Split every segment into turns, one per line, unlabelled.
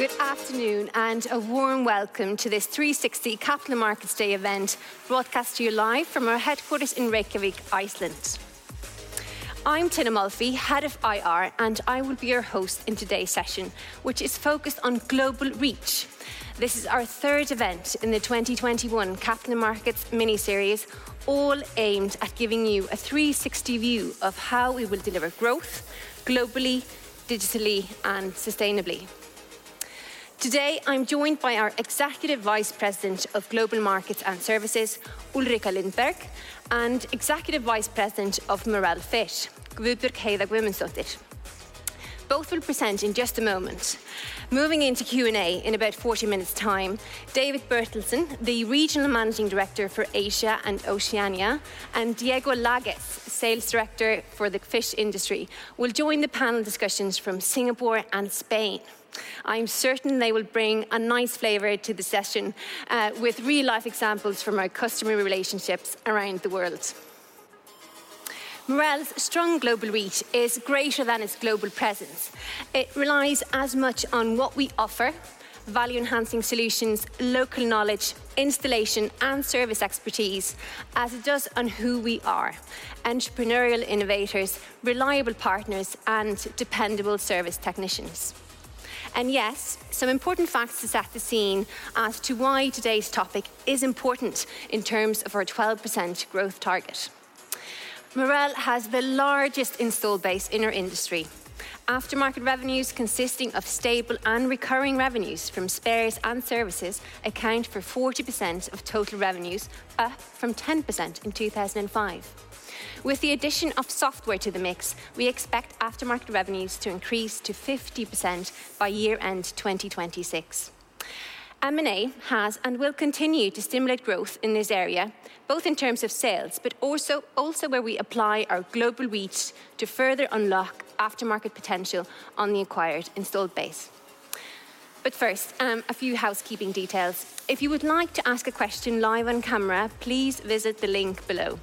Good afternoon and a warm welcome to this 360 Capital Markets Day event, broadcast to you live from our headquarters in Reykjavik, Iceland. I'm Tinna Molphy, head of IR, and I will be your host in today's session, which is focused on global reach. This is our third event in the 2021 Capital Markets mini-series, all aimed at giving you a 360 view of how we will deliver growth globally, digitally, and sustainably. Today, I'm joined by our Executive Vice President of Global Markets and Services, Ulrika Lindberg, and Executive Vice President of Marel Fish, Gudbjörg Heiða Guðmundsdóttir. Both will present in just a moment. Moving into Q&A in about 40 minutes' time, David Bertelsen, the Regional Managing Director for Asia and Oceania, and Diego Lages, Sales Director for the fish industry, will join the panel discussions from Singapore and Spain. I'm certain they will bring a nice flavor to the session with real-life examples from our customer relationships around the world. Marel's strong global reach is greater than its global presence. It relies as much on what we offer, value-enhancing solutions, local knowledge, installation, and service expertise, as it does on who we are: entrepreneurial innovators, reliable partners, and dependable service technicians. Yes, some important factors set the scene as to why today's topic is important in terms of our 12% growth target. Marel has the largest install base in our industry. Aftermarket revenues consisting of stable and recurring revenues from spares and services account for 40% of total revenues, up from 10% in 2005. With the addition of software to the mix, we expect aftermarket revenues to increase to 50% by year-end 2026. M&A has and will continue to stimulate growth in this area, both in terms of sales, but also where we apply our global reach to further unlock aftermarket potential on the acquired installed base. First, a few housekeeping details. If you would like to ask a question live on camera, please visit the link below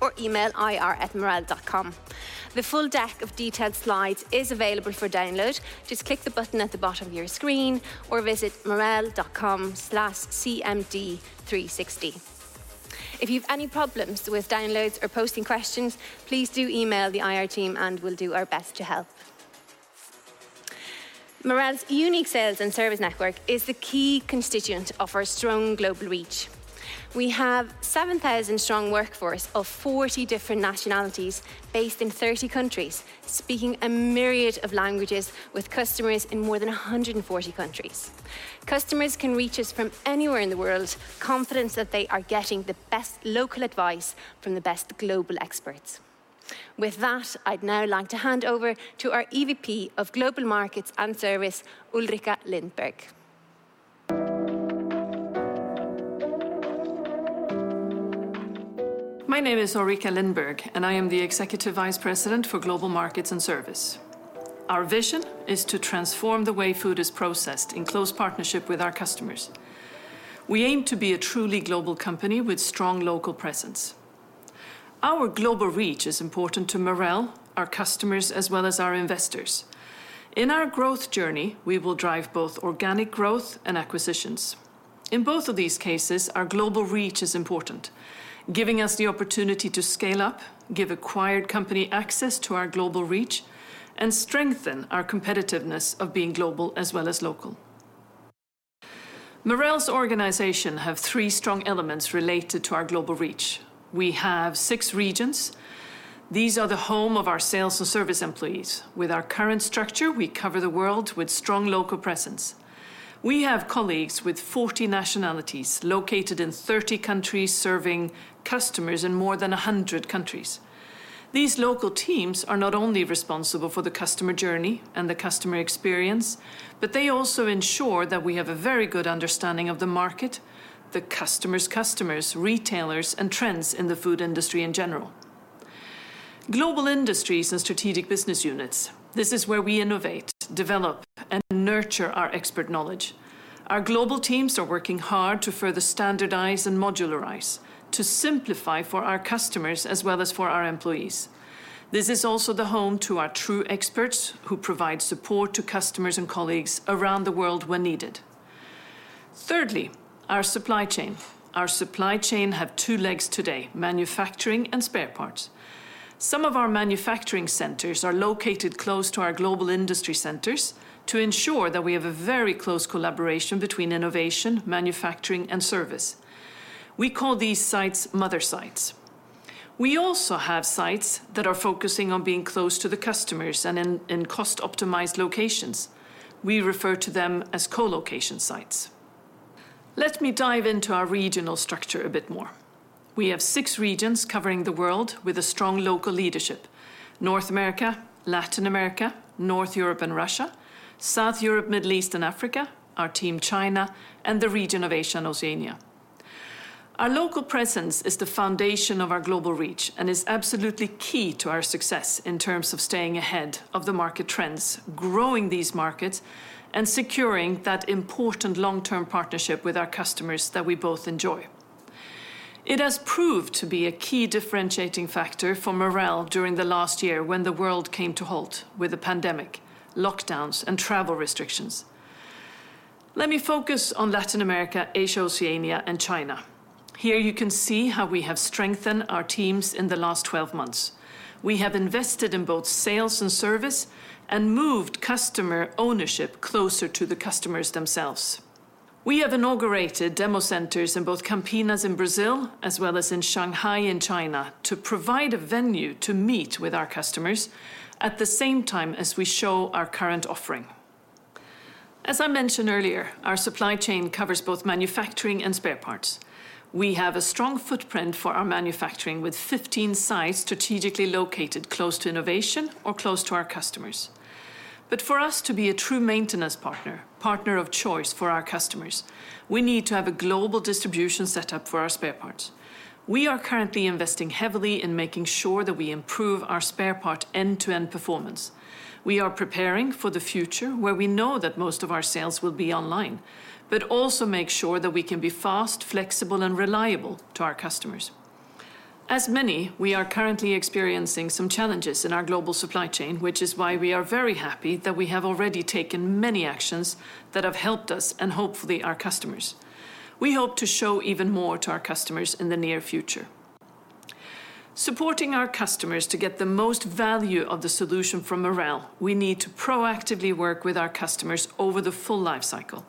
or email ir@marel.com. The full deck of detailed slides is available for download. Just click the button at the bottom of your screen or visit marel.com/cmd360. If you've any problems with downloads or posting questions, please do email the IR team and we'll do our best to help. Marel's unique sales and service network is the key constituent of our strong global reach. We have 7,000-strong workforce of 40 different nationalities based in 30 countries, speaking a myriad of languages with customers in more than 140 countries. Customers can reach us from anywhere in the world, confident that they are getting the best local advice from the best global experts. With that, I'd now like to hand over to our EVP of Global Markets and Service, Ulrika Lindberg.
My name is Ulrika Lindberg, and I am the Executive Vice President for Global Markets and Service. Our vision is to transform the way food is processed in close partnership with our customers. We aim to be a truly global company with strong local presence. Our global reach is important to Marel, our customers, as well as our investors. In our growth journey, we will drive both organic growth and acquisitions. In both of these cases, our global reach is important, giving us the opportunity to scale up, give acquired company access to our global reach, and strengthen our competitiveness of being global as well as local. Marel's organization have three strong elements related to our global reach. We have six regions. These are the home of our sales and service employees. With our current structure, we cover the world with strong local presence. We have colleagues with 40 nationalities located in 30 countries serving customers in more than 100 countries. These local teams are not only responsible for the customer journey and the customer experience, but they also ensure that we have a very good understanding of the market, the customer's customers, retailers, and trends in the food industry in general. Global industries and strategic business units, this is where we innovate, develop, and nurture our expert knowledge. Our global teams are working hard to further standardize and modularize to simplify for our customers as well as for our employees. This is also the home to our true experts who provide support to customers and colleagues around the world when needed. Thirdly, our supply chain. Our supply chain have two legs today, manufacturing and spare parts. Some of our manufacturing centers are located close to our global industry centers to ensure that we have a very close collaboration between innovation, manufacturing, and service. We call these sites mother sites. We also have sites that are focusing on being close to the customers and in cost-optimized locations. We refer to them as co-location sites. Let me dive into our regional structure a bit more. We have six regions covering the world with a strong local leadership. North America, Latin America, North Europe and Russia, South Europe, Middle East and Africa, our team China, and the region of Asia and Oceania. Our local presence is the foundation of our global reach and is absolutely key to our success in terms of staying ahead of the market trends, growing these markets, and securing that important long-term partnership with our customers that we both enjoy. It has proved to be a key differentiating factor for Marel during the last year when the world came to halt with the pandemic, lockdowns, and travel restrictions. Let me focus on Latin America, Asia, Oceania, and China. Here you can see how we have strengthened our teams in the last 12 months. We have invested in both sales and service and moved customer ownership closer to the customers themselves. We have inaugurated demo centers in both Campinas in Brazil as well as in Shanghai in China to provide a venue to meet with our customers at the same time as we show our current offering. As I mentioned earlier, our supply chain covers both manufacturing and spare parts. We have a strong footprint for our manufacturing with 15 sites strategically located close to innovation or close to our customers. For us to be a true maintenance partner of choice for our customers, we need to have a global distribution setup for our spare parts. We are currently investing heavily in making sure that we improve our spare part end-to-end performance. We are preparing for the future where we know that most of our sales will be online, but also make sure that we can be fast, flexible, and reliable to our customers. As many, we are currently experiencing some challenges in our global supply chain, which is why we are very happy that we have already taken many actions that have helped us and hopefully our customers. We hope to show even more to our customers in the near future. Supporting our customers to get the most value of the solution from Marel, we need to proactively work with our customers over the full life cycle.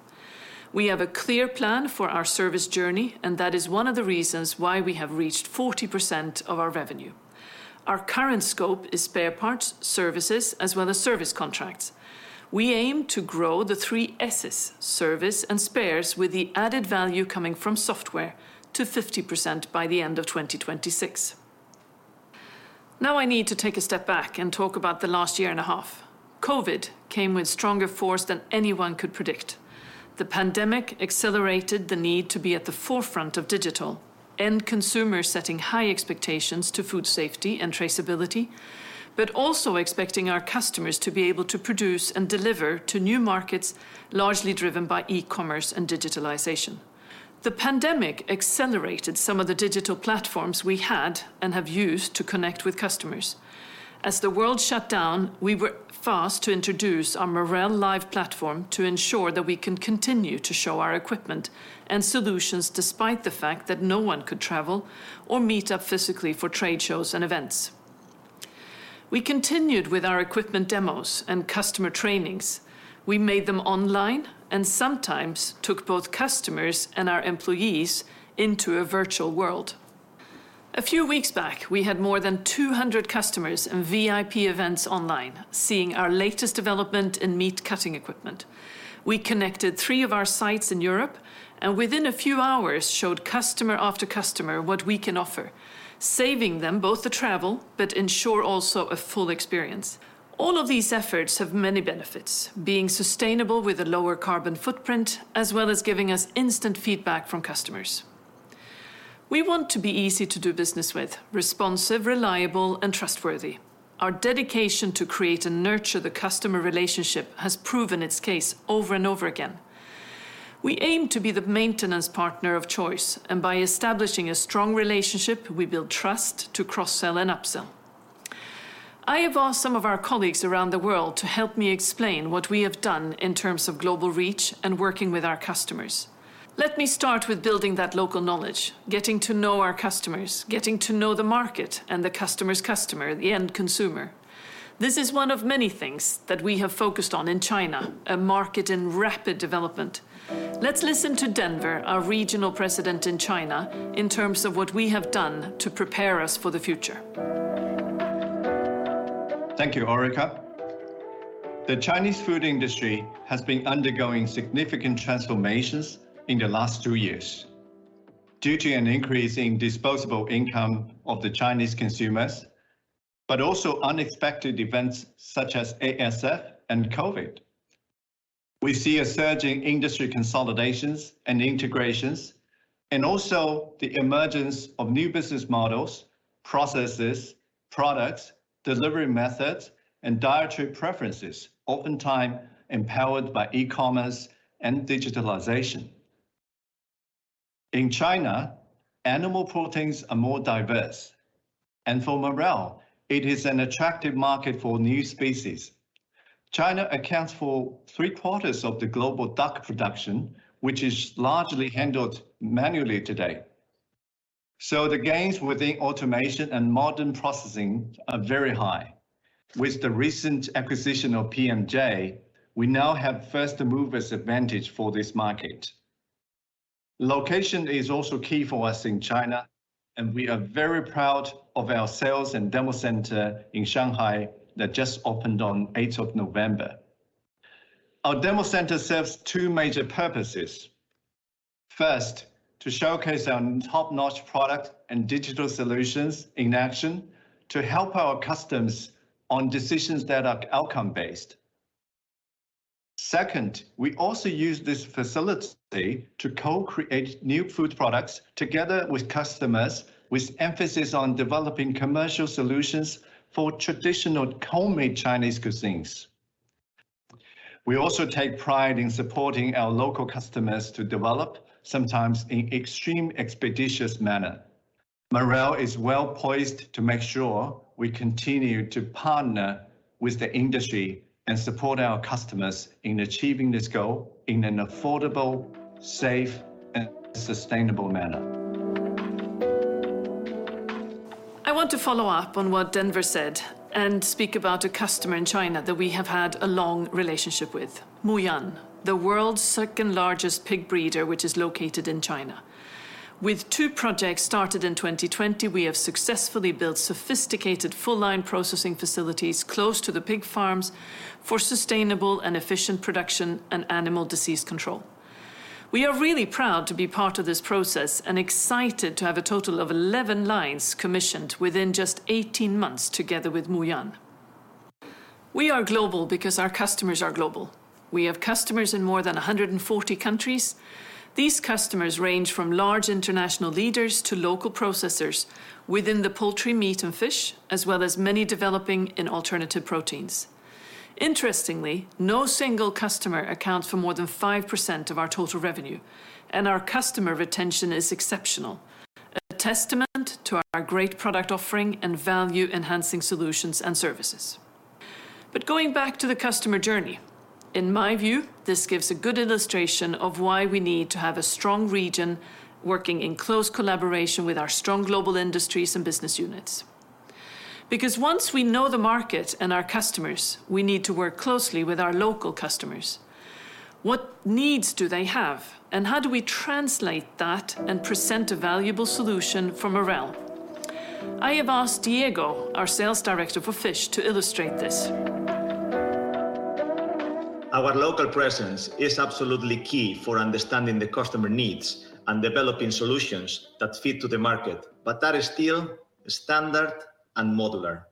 We have a clear plan for our service journey, and that is one of the reasons why we have reached 40% of our revenue. Our current scope is spare parts, services, as well as service contracts. We aim to grow the 3S's, service and spares, with the added value coming from software to 50% by the end of 2026. Now I need to take a step back and talk about the last year and a half. COVID-19 came with stronger force than anyone could predict. The pandemic accelerated the need to be at the forefront of digital, end consumers setting high expectations to food safety and traceability, but also expecting our customers to be able to produce and deliver to new markets, largely driven by e-commerce and digitalization. The pandemic accelerated some of the digital platforms we had and have used to connect with customers. As the world shut down, we were fast to introduce our Marel Live platform to ensure that we can continue to show our equipment and solutions despite the fact that no one could travel or meet up physically for trade shows and events. We continued with our equipment demos and customer trainings. We made them online and sometimes took both customers and our employees into a virtual world. A few weeks back, we had more than 200 customers and VIP events online seeing our latest development in meat cutting equipment. We connected three of our sites in Europe and within a few hours showed customer after customer what we can offer, saving them both the travel, but ensure also a full experience. All of these efforts have many benefits, being sustainable with a lower carbon footprint, as well as giving us instant feedback from customers. We want to be easy to do business with, responsive, reliable, and trustworthy. Our dedication to create and nurture the customer relationship has proven its case over and over again. We aim to be the maintenance partner of choice, and by establishing a strong relationship, we build trust to cross-sell and upsell. I have asked some of our colleagues around the world to help me explain what we have done in terms of global reach and working with our customers. Let me start with building that local knowledge, getting to know our customers, getting to know the market and the customer's customer, the end consumer. This is one of many things that we have focused on in China, a market in rapid development. Let's listen to Denver Lu, our Regional President in China, in terms of what we have done to prepare us for the future.
Thank you, Ulrika. The Chinese food industry has been undergoing significant transformations in the last two years due to an increase in disposable income of the Chinese consumers, but also unexpected events such as ASF and COVID. We see a surge in industry consolidations and integrations, and also the emergence of new business models, processes, products, delivery methods, and dietary preferences, oftentimes empowered by e-commerce and digitalization. In China, animal proteins are more diverse. For Marel, it is an attractive market for new species. China accounts for three-quarters of the global duck production, which is largely handled manually today. The gains within automation and modern processing are very high. With the recent acquisition of PMJ, we now have first-mover's advantage for this market. Location is also key for us in China, and we are very proud of our sales and demo center in Shanghai that just opened on November 8th. Our demo center serves two major purposes. First, to showcase our top-notch product and digital solutions in action to help our customers on decisions that are outcome-based. Second, we also use this facility to co-create new food products together with customers with emphasis on developing commercial solutions for traditional homemade Chinese cuisines. We also take pride in supporting our local customers to develop sometimes in extremely expeditious manner. Marel is well poised to make sure we continue to partner with the industry and support our customers in achieving this goal in an affordable, safe, and sustainable manner.
I want to follow up on what Denver said and speak about a customer in China that we have had a long relationship with, Muyuan, the world's second-largest pig breeder, which is located in China. With two projects started in 2020, we have successfully built sophisticated full-line processing facilities close to the pig farms for sustainable and efficient production and animal disease control. We are really proud to be part of this process and excited to have a total of 11 lines commissioned within just 18 months together with Muyuan. We are global because our customers are global. We have customers in more than 140 countries. These customers range from large international leaders to local processors within the poultry, meat, and fish, as well as many developing in alternative proteins. Interestingly, no single customer accounts for more than 5% of our total revenue, and our customer retention is exceptional, a testament to our great product offering and value-enhancing solutions and services. Going back to the customer journey, in my view, this gives a good illustration of why we need to have a strong region working in close collaboration with our strong global industries and business units. Because once we know the market and our customers, we need to work closely with our local customers. What needs do they have, and how do we translate that and present a valuable solution for Marel? I have asked Diego, our sales director for fish, to illustrate this.
Our local presence is absolutely key for understanding the customer needs and developing solutions that fit to the market, but that is still standard and modular.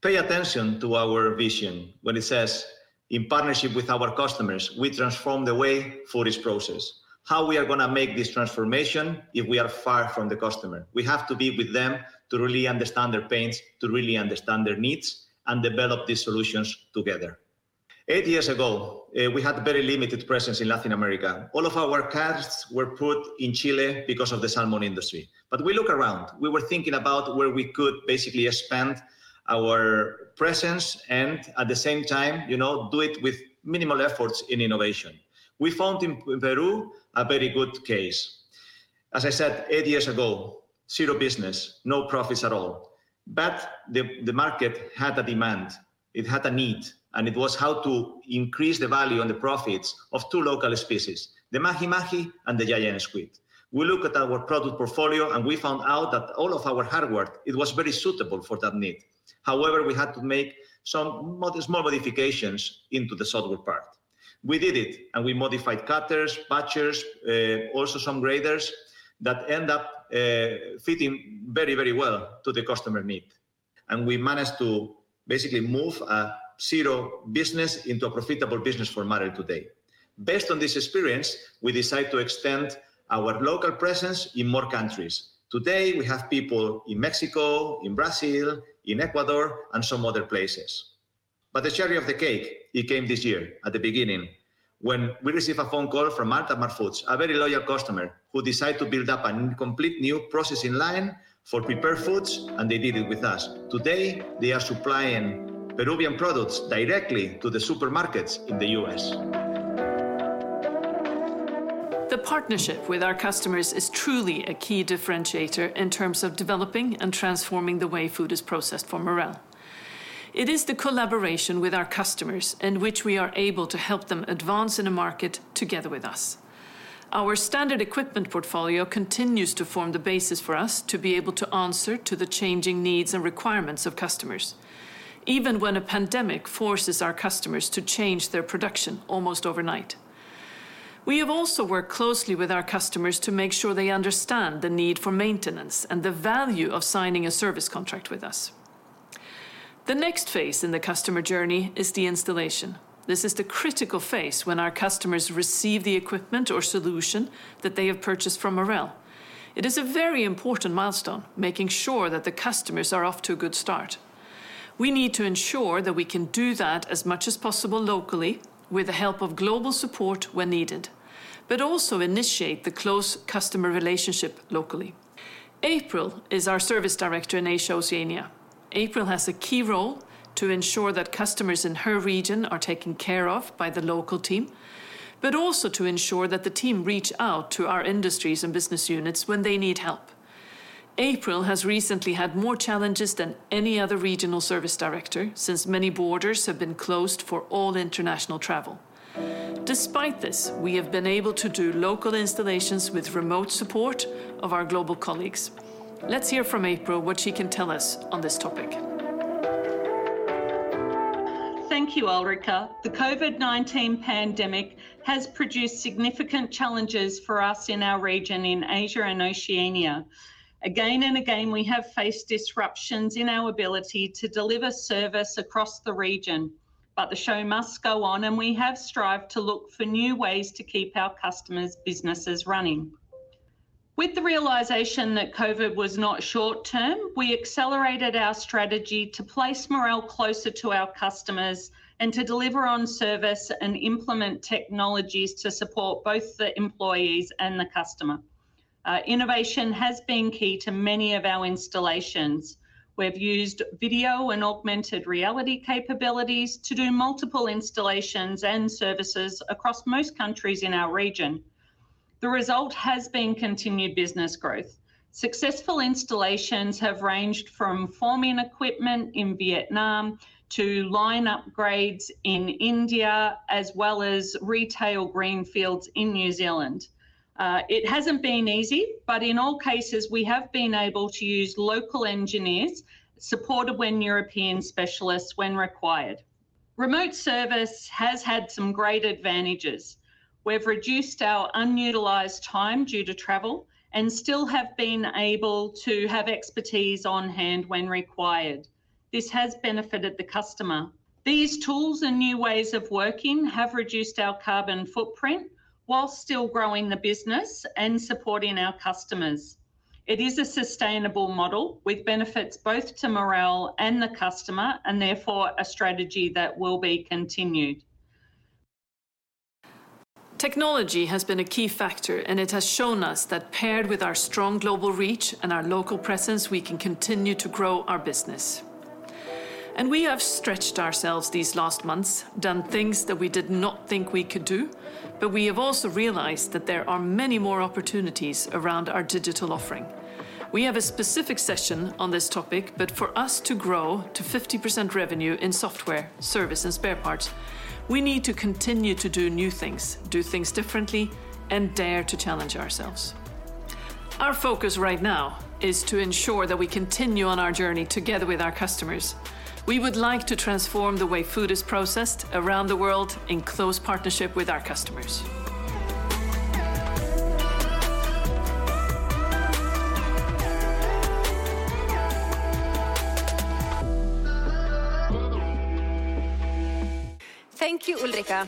Pay attention to our vision when it says, "In partnership with our customers, we transform the way food is processed." How we are gonna make this transformation if we are far from the customer? We have to be with them to really understand their pains, to really understand their needs, and develop these solutions together. Eight years ago, we had a very limited presence in Latin America. All of our assets were put in Chile because of the salmon industry. We look around. We were thinking about where we could basically expand our presence and at the same time, you know, do it with minimal efforts in innovation. We found in Peru a very good case. As I said, eight years ago, zero business, no profits at all. The market had a demand, it had a need, and it was how to increase the value and the profits of two local species: the mahi-mahi and the giant squid. We look at our product portfolio, and we found out that all of our hard work, it was very suitable for that need. However, we had to make some small modifications into the software part. We did it, and we modified cutters, batchers, also some graders that end up fitting very, very well to the customer need. We managed to basically move a zero business into a profitable business for Marel today. Based on this experience, we decide to extend our local presence in more countries. Today, we have people in Mexico, in Brazil, in Ecuador, and some other places. The cherry of the cake, it came this year at the beginning when we receive a phone call from Altamar Foods, a very loyal customer, who decide to build up a complete new processing line for prepared foods, and they did it with us. Today, they are supplying Peruvian products directly to the supermarkets in the U.S.
The partnership with our customers is truly a key differentiator in terms of developing and transforming the way food is processed for Marel. It is the collaboration with our customers in which we are able to help them advance in a market together with us. Our standard equipment portfolio continues to form the basis for us to be able to answer to the changing needs and requirements of customers, even when a pandemic forces our customers to change their production almost overnight. We have also worked closely with our customers to make sure they understand the need for maintenance and the value of signing a service contract with us. The next phase in the customer journey is the installation. This is the critical phase when our customers receive the equipment or solution that they have purchased from Marel. It is a very important milestone, making sure that the customers are off to a good start. We need to ensure that we can do that as much as possible locally with the help of global support when needed, but also initiate the close customer relationship locally. April is our Service Director in Asia and Oceania. April has a key role to ensure that customers in her region are taken care of by the local team, but also to ensure that the team reach out to our industries and business units when they need help. April has recently had more challenges than any other regional service director since many borders have been closed for all international travel. Despite this, we have been able to do local installations with remote support of our global colleagues. Let's hear from April what she can tell us on this topic.
Thank you, Ulrika. The COVID-19 pandemic has produced significant challenges for us in our region in Asia and Oceania. Again and again, we have faced disruptions in our ability to deliver service across the region. The show must go on, and we have strived to look for new ways to keep our customers' businesses running. With the realization that COVID was not short-term, we accelerated our strategy to place Marel closer to our customers and to deliver on service and implement technologies to support both the employees and the customer. Innovation has been key to many of our installations. We've used video and augmented reality capabilities to do multiple installations and services across most countries in our region. The result has been continued business growth. Successful installations have ranged from forming equipment in Vietnam to line upgrades in India, as well as retail greenfields in New Zealand. It hasn't been easy, but in all cases, we have been able to use local engineers, supported by European specialists when required. Remote service has had some great advantages. We've reduced our unutilized time due to travel and still have been able to have expertise on hand when required. This has benefited the customer. These tools and new ways of working have reduced our carbon footprint while still growing the business and supporting our customers. It is a sustainable model with benefits both to Marel and the customer, and therefore, a strategy that will be continued.
Technology has been a key factor, and it has shown us that paired with our strong global reach and our local presence, we can continue to grow our business. We have stretched ourselves these last months, done things that we did not think we could do. We have also realized that there are many more opportunities around our digital offering. We have a specific session on this topic, but for us to grow to 50% revenue in software, service, and spare parts, we need to continue to do new things, do things differently, and dare to challenge ourselves. Our focus right now is to ensure that we continue on our journey together with our customers. We would like to transform the way food is processed around the world in close partnership with our customers.
Thank you, Ulrika.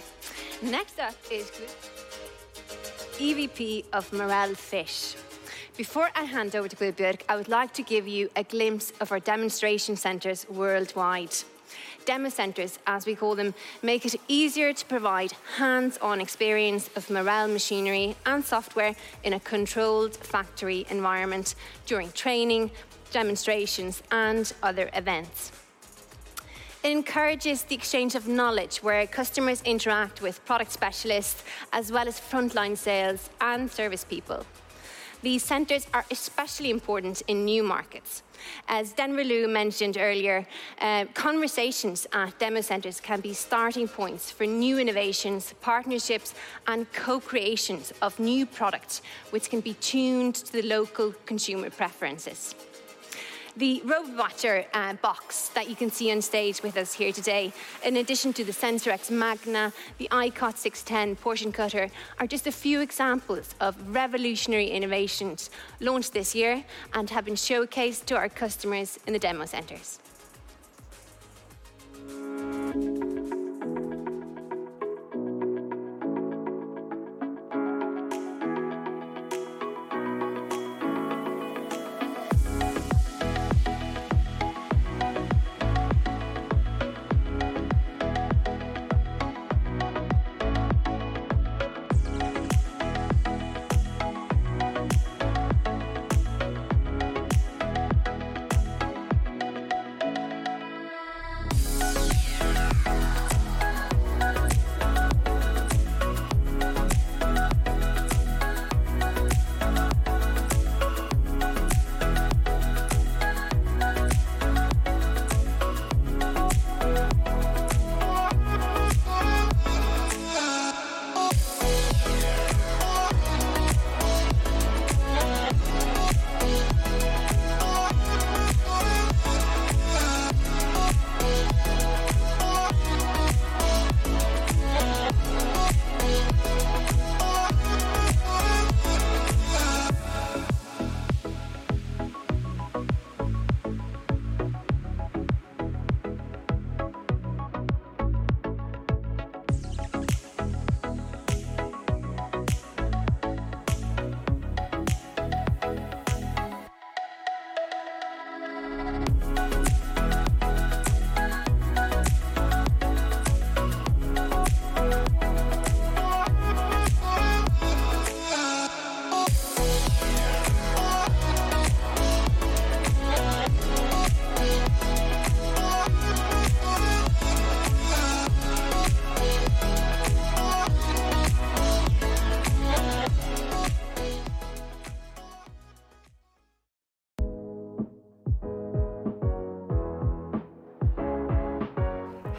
Next up is Gudbjörg, EVP of Marel Fish. Before I hand over to Gudbjörg, I would like to give you a glimpse of our demonstration centers worldwide. Demo centers, as we call them, make it easier to provide hands-on experience of Marel machinery and software in a controlled factory environment during training, demonstrations, and other events. It encourages the exchange of knowledge where customers interact with product specialists as well as frontline sales and service people. These centers are especially important in new markets. As Denver Lu mentioned earlier, conversations at demo centers can be starting points for new innovations, partnerships, and co-creations of new products which can be tuned to the local consumer preferences. The RoboBatcher box that you can see on stage with us here today, in addition to the SensorX Magna, the I-Cut 610 portion cutter, are just a few examples of revolutionary innovations launched this year and have been showcased to our customers in the demo centers.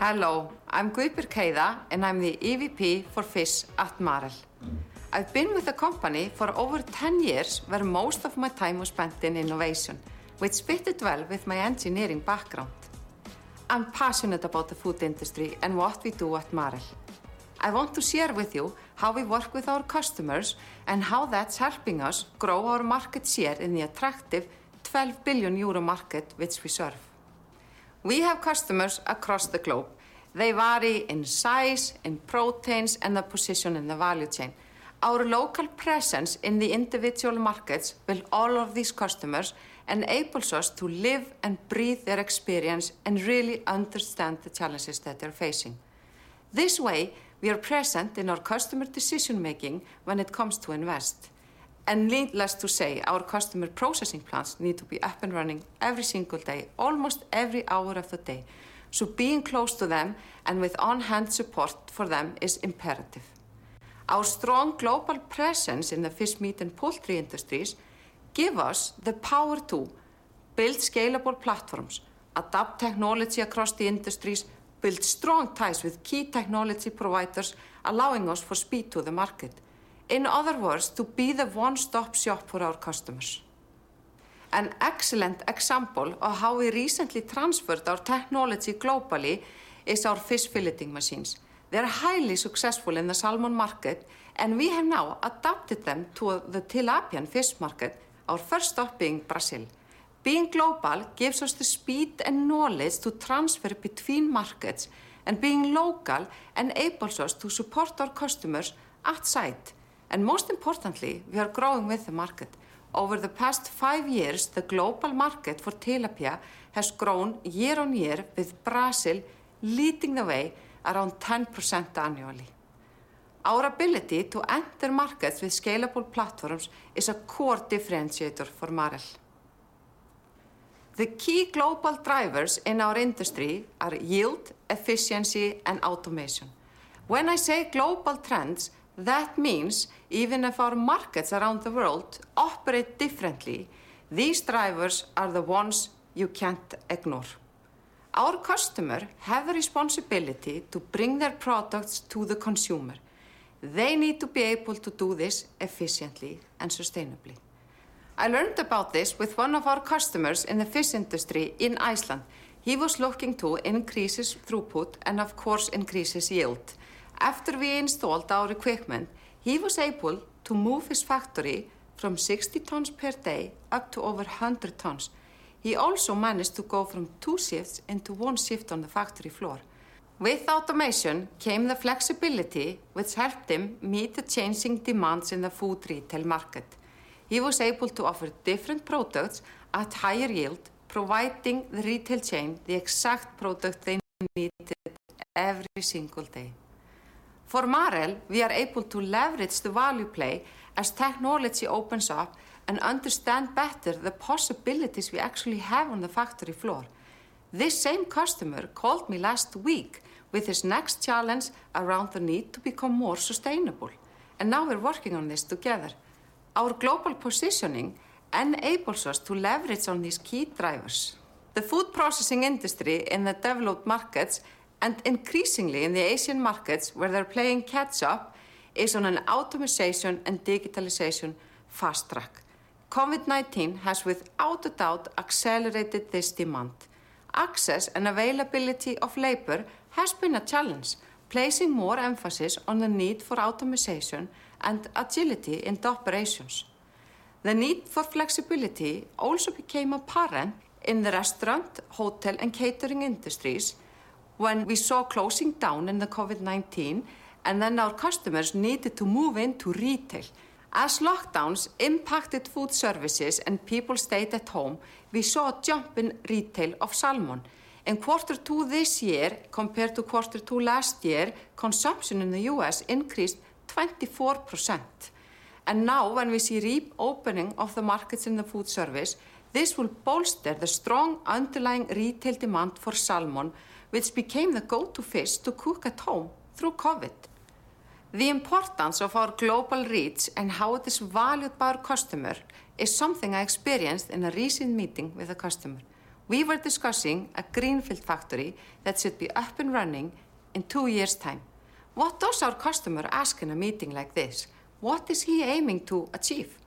Hello, I'm Gudbjörg Heiða, and I'm the EVP for Fish at Marel. I've been with the company for over 10 years, where most of my time was spent in innovation, which fit well with my engineering background. I'm passionate about the food industry and what we do at Marel. I want to share with you how we work with our customers and how that's helping us grow our market share in the attractive 12 billion euro market which we serve. We have customers across the globe. They vary in size, in proteins, and their position in the value chain. Our local presence in the individual markets with all of these customers enables us to live and breathe their experience and really understand the challenges that they're facing. This way, we are present in our customer decision-making when it comes to invest. Needless to say, our customer processing plants need to be up and running every single day, almost every hour of the day. Being close to them and with on-hand support for them is imperative. Our strong global presence in the fish, meat, and poultry industries give us the power to build scalable platforms, adapt technology across the industries, build strong ties with key technology providers, allowing us speed to the market. In other words, to be the one-stop shop for our customers. An excellent example of how we recently transferred our technology globally is our fish filleting machines. They're highly successful in the salmon market, and we have now adapted them to the tilapia fish market, our first stop being Brazil. Being global gives us the speed and knowledge to transfer between markets, and being local enables us to support our customers on site. Most importantly, we are growing with the market. Over the past five years, the global market for tilapia has grown year on year with Brazil leading the way around 10% annually. Our ability to enter markets with scalable platforms is a core differentiator for Marel. The key global drivers in our industry are yield, efficiency, and automation. When I say global trends, that means even if our markets around the world operate differently, these drivers are the ones you can't ignore. Our customer have responsibility to bring their products to the consumer. They need to be able to do this efficiently and sustainably. I learned about this with one of our customers in the fish industry in Iceland. He was looking to increase his throughput and of course, increase his yield. After we installed our equipment, he was able to move his factory from 60 tons per day up to over 100 tons. He also managed to go from two shifts into one shift on the factory floor. With automation came the flexibility which helped him meet the changing demands in the food retail market. He was able to offer different products at higher yield, providing the retail chain the exact product they needed every single day. For Marel, we are able to leverage the value play as technology opens up and understand better the possibilities we actually have on the factory floor. This same customer called me last week with his next challenge around the need to become more sustainable, and now we're working on this together. Our global positioning enables us to leverage on these key drivers. The food processing industry in the developed markets, and increasingly in the Asian markets where they're playing catch up, is on an automation and digitalization fast track. COVID-19 has without a doubt accelerated this demand. Access and availability of labor has been a challenge, placing more emphasis on the need for automation and agility in the operations. The need for flexibility also became apparent in the restaurant, hotel, and catering industries when we saw closings during COVID-19 and then our customers needed to move into retail. As lockdowns impacted foodservice and people stayed at home, we saw a jump in retail of salmon. In quarter two this year compared to quarter two last year, consumption in the U.S. increased 24%. Now when we see reopening of the markets in the food service, this will bolster the strong underlying retail demand for salmon, which became the go-to fish to cook at home through COVID. The importance of our global reach and how it is valued by our customer is something I experienced in a recent meeting with a customer. We were discussing a greenfield factory that should be up and running in two years' time. What does our customer ask in a meeting like this? What is he aiming to achieve?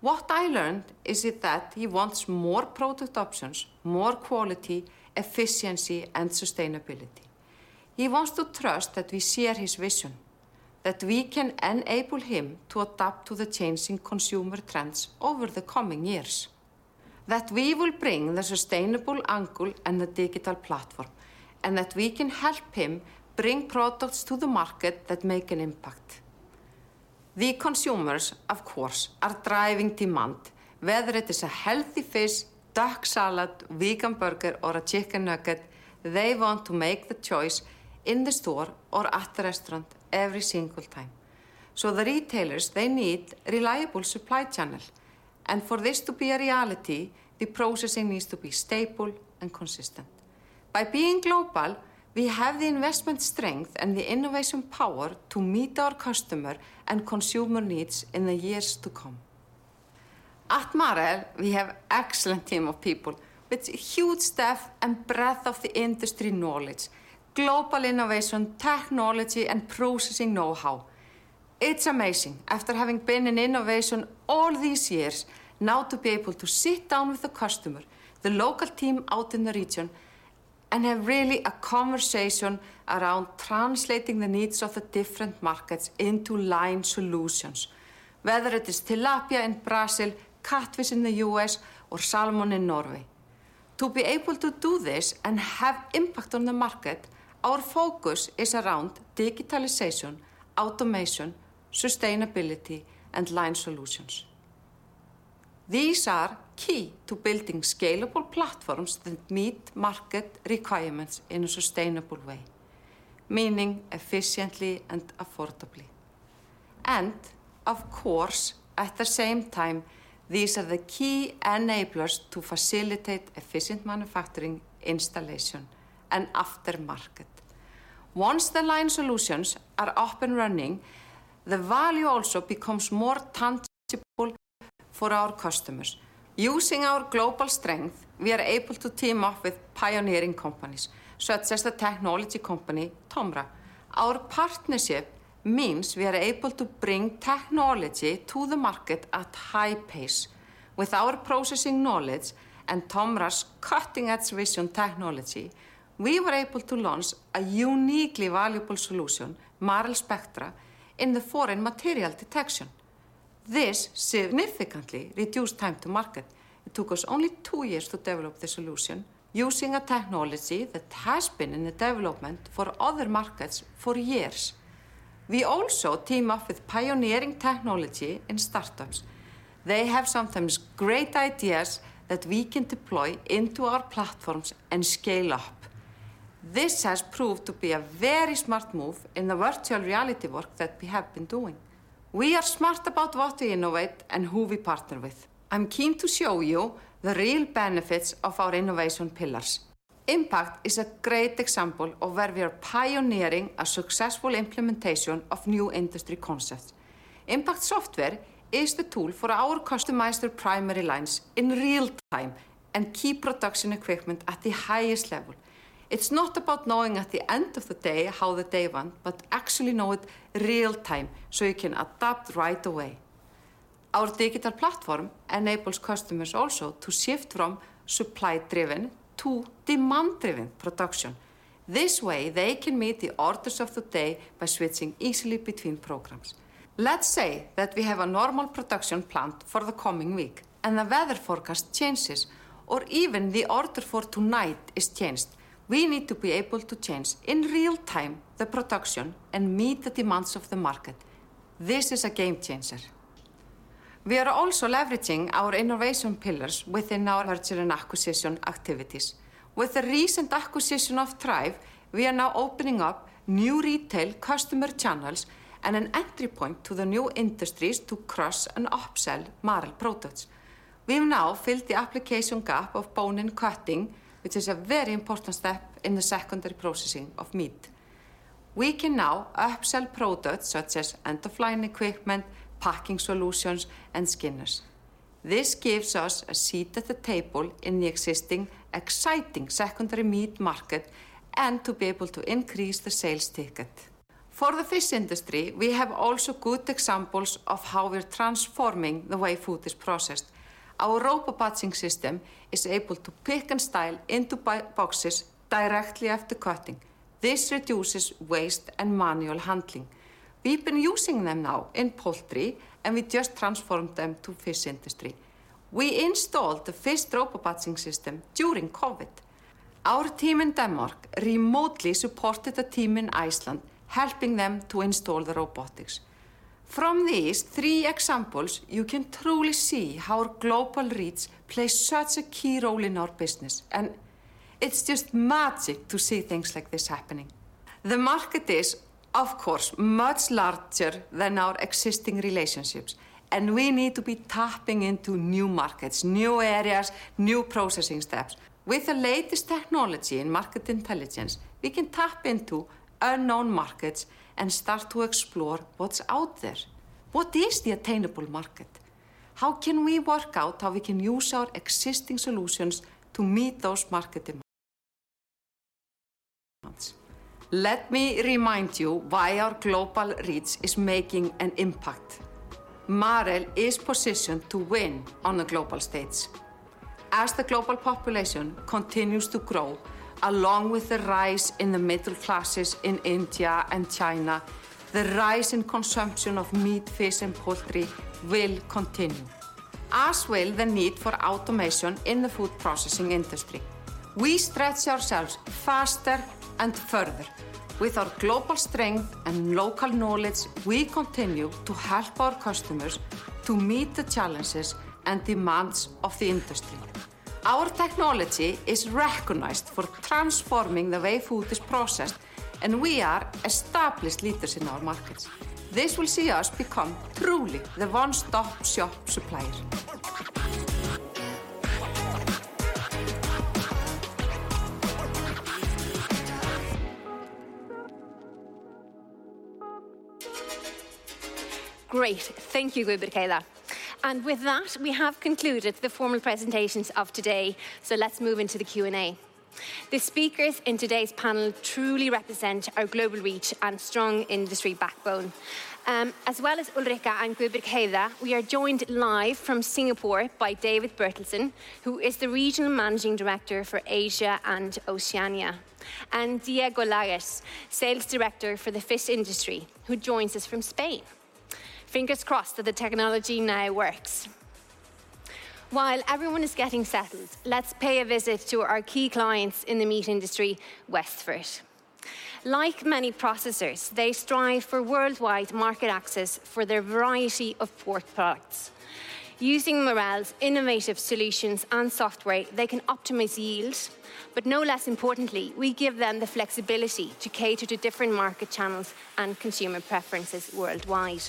What I learned is that he wants more product options, more quality, efficiency, and sustainability. He wants to trust that we share his vision, that we can enable him to adapt to the changing consumer trends over the coming years, that we will bring the sustainable angle and the digital platform, and that we can help him bring products to the market that make an impact. The consumers, of course, are driving demand, whether it is a healthy fish, duck salad, vegan burger, or a chicken nugget. They want to make the choice in the store or at the restaurant every single time. The retailers, they need reliable supply channel, and for this to be a reality, the processing needs to be stable and consistent. By being global, we have the investment strength and the innovation power to meet our customer and consumer needs in the years to come. At Marel, we have an excellent team of people with huge depth and breadth of the industry knowledge, global innovation, technology, and processing know-how. It's amazing after having been in innovation all these years now to be able to sit down with the customer, the local team out in the region, and have really a conversation around translating the needs of the different markets into line solutions, whether it is tilapia in Brazil, catfish in the U.S., or salmon in Norway. To be able to do this and have impact on the market, our focus is around digitalization, automation, sustainability, and line solutions. These are key to building scalable platforms that meet market requirements in a sustainable way, meaning efficiently and affordably. Of course, at the same time, these are the key enablers to facilitate efficient manufacturing, installation, and aftermarket. Once the line solutions are up and running, the value also becomes more tangible for our customers. Using our global strength, we are able to team up with pioneering companies, such as the technology company TOMRA. Our partnership means we are able to bring technology to the market at high pace. With our processing knowledge and TOMRA's cutting-edge vision technology, we were able to launch a uniquely valuable solution, Marel Spectra, in the foreign material detection. This significantly reduced time to market. It took us only two years to develop the solution using a technology that has been in the development for other markets for years. We also team up with pioneering technology and startups. They have sometimes great ideas that we can deploy into our platforms and scale up. This has proved to be a very smart move in the virtual reality work that we have been doing. We are smart about what we innovate and who we partner with. I'm keen to show you the real benefits of our innovation pillars. Innova is a great example of where we are pioneering a successful implementation of new industry concepts. Innova software is the tool for our customized primary lines in real time and keep production equipment at the highest level. It's not about knowing at the end of the day how the day went, but actually know it real time, so you can adapt right away. Our digital platform enables customers also to shift from supply-driven to demand-driven production. This way, they can meet the orders of the day by switching easily between programs. Let's say that we have a normal production planned for the coming week, and the weather forecast changes, or even the order for tonight is changed. We need to be able to change in real time the production and meet the demands of the market. This is a game changer. We are also leveraging our innovation pillars within our merger and acquisition activities. With the recent acquisition of TREIF, we are now opening up new retail customer channels and an entry point to the new industries to cross-sell and upsell Marel products. We've now filled the application gap of bone-in cutting, which is a very important step in the secondary processing of meat. We can now upsell products such as end-of-line equipment, packing solutions, and skinners. This gives us a seat at the table in the existing exciting secondary meat market and to be able to increase the sales ticket. For the fish industry, we have also good examples of how we're transforming the way food is processed. Our RoboBatcher is able to pick and stack into b-boxes directly after cutting. This reduces waste and manual handling. We've been using them now in poultry, and we just transformed them to fish industry. We installed the first RoboBatcher during COVID. Our team in Denmark remotely supported the team in Iceland, helping them to install the robotics. From these three examples, you can truly see how our global reach plays such a key role in our business, and it's just magic to see things like this happening. The market is, of course, much larger than our existing relationships, and we need to be tapping into new markets, new areas, new processing steps. With the latest technology and market intelligence, we can tap into unknown markets and start to explore what's out there. What is the attainable market? How can we work out how we can use our existing solutions to meet those market demands? Let me remind you why our global reach is making an impact. Marel is positioned to win on the global stage. As the global population continues to grow, along with the rise in the middle classes in India and China, the rise in consumption of meat, fish, and poultry will continue, as will the need for automation in the food processing industry. We stretch ourselves faster and further. With our global strength and local knowledge, we continue to help our customers to meet the challenges and demands of the industry. Our technology is recognized for transforming the way food is processed, and we are established leaders in our markets. This will see us become truly the one-stop shop supplier.
Great. Thank you, Gudbjörg Heiða. With that, we have concluded the formal presentations of today, so let's move into the Q&A. The speakers in today's panel truly represent our global reach and strong industry backbone. As well as Ulrika and Gudbjörg Heiða, we are joined live from Singapore by David Bertelsen, who is the Regional Managing Director for Asia and Oceania, and Diego Lages, Sales Director for the fish industry, who joins us from Spain. Fingers crossed that the technology now works. While everyone is getting settled, let's pay a visit to our key clients in the meat industry, Westfort. Like many processors, they strive for worldwide market access for their variety of pork products. Using Marel's innovative solutions and software, they can optimize yield, but no less importantly, we give them the flexibility to cater to different market channels and consumer preferences worldwide.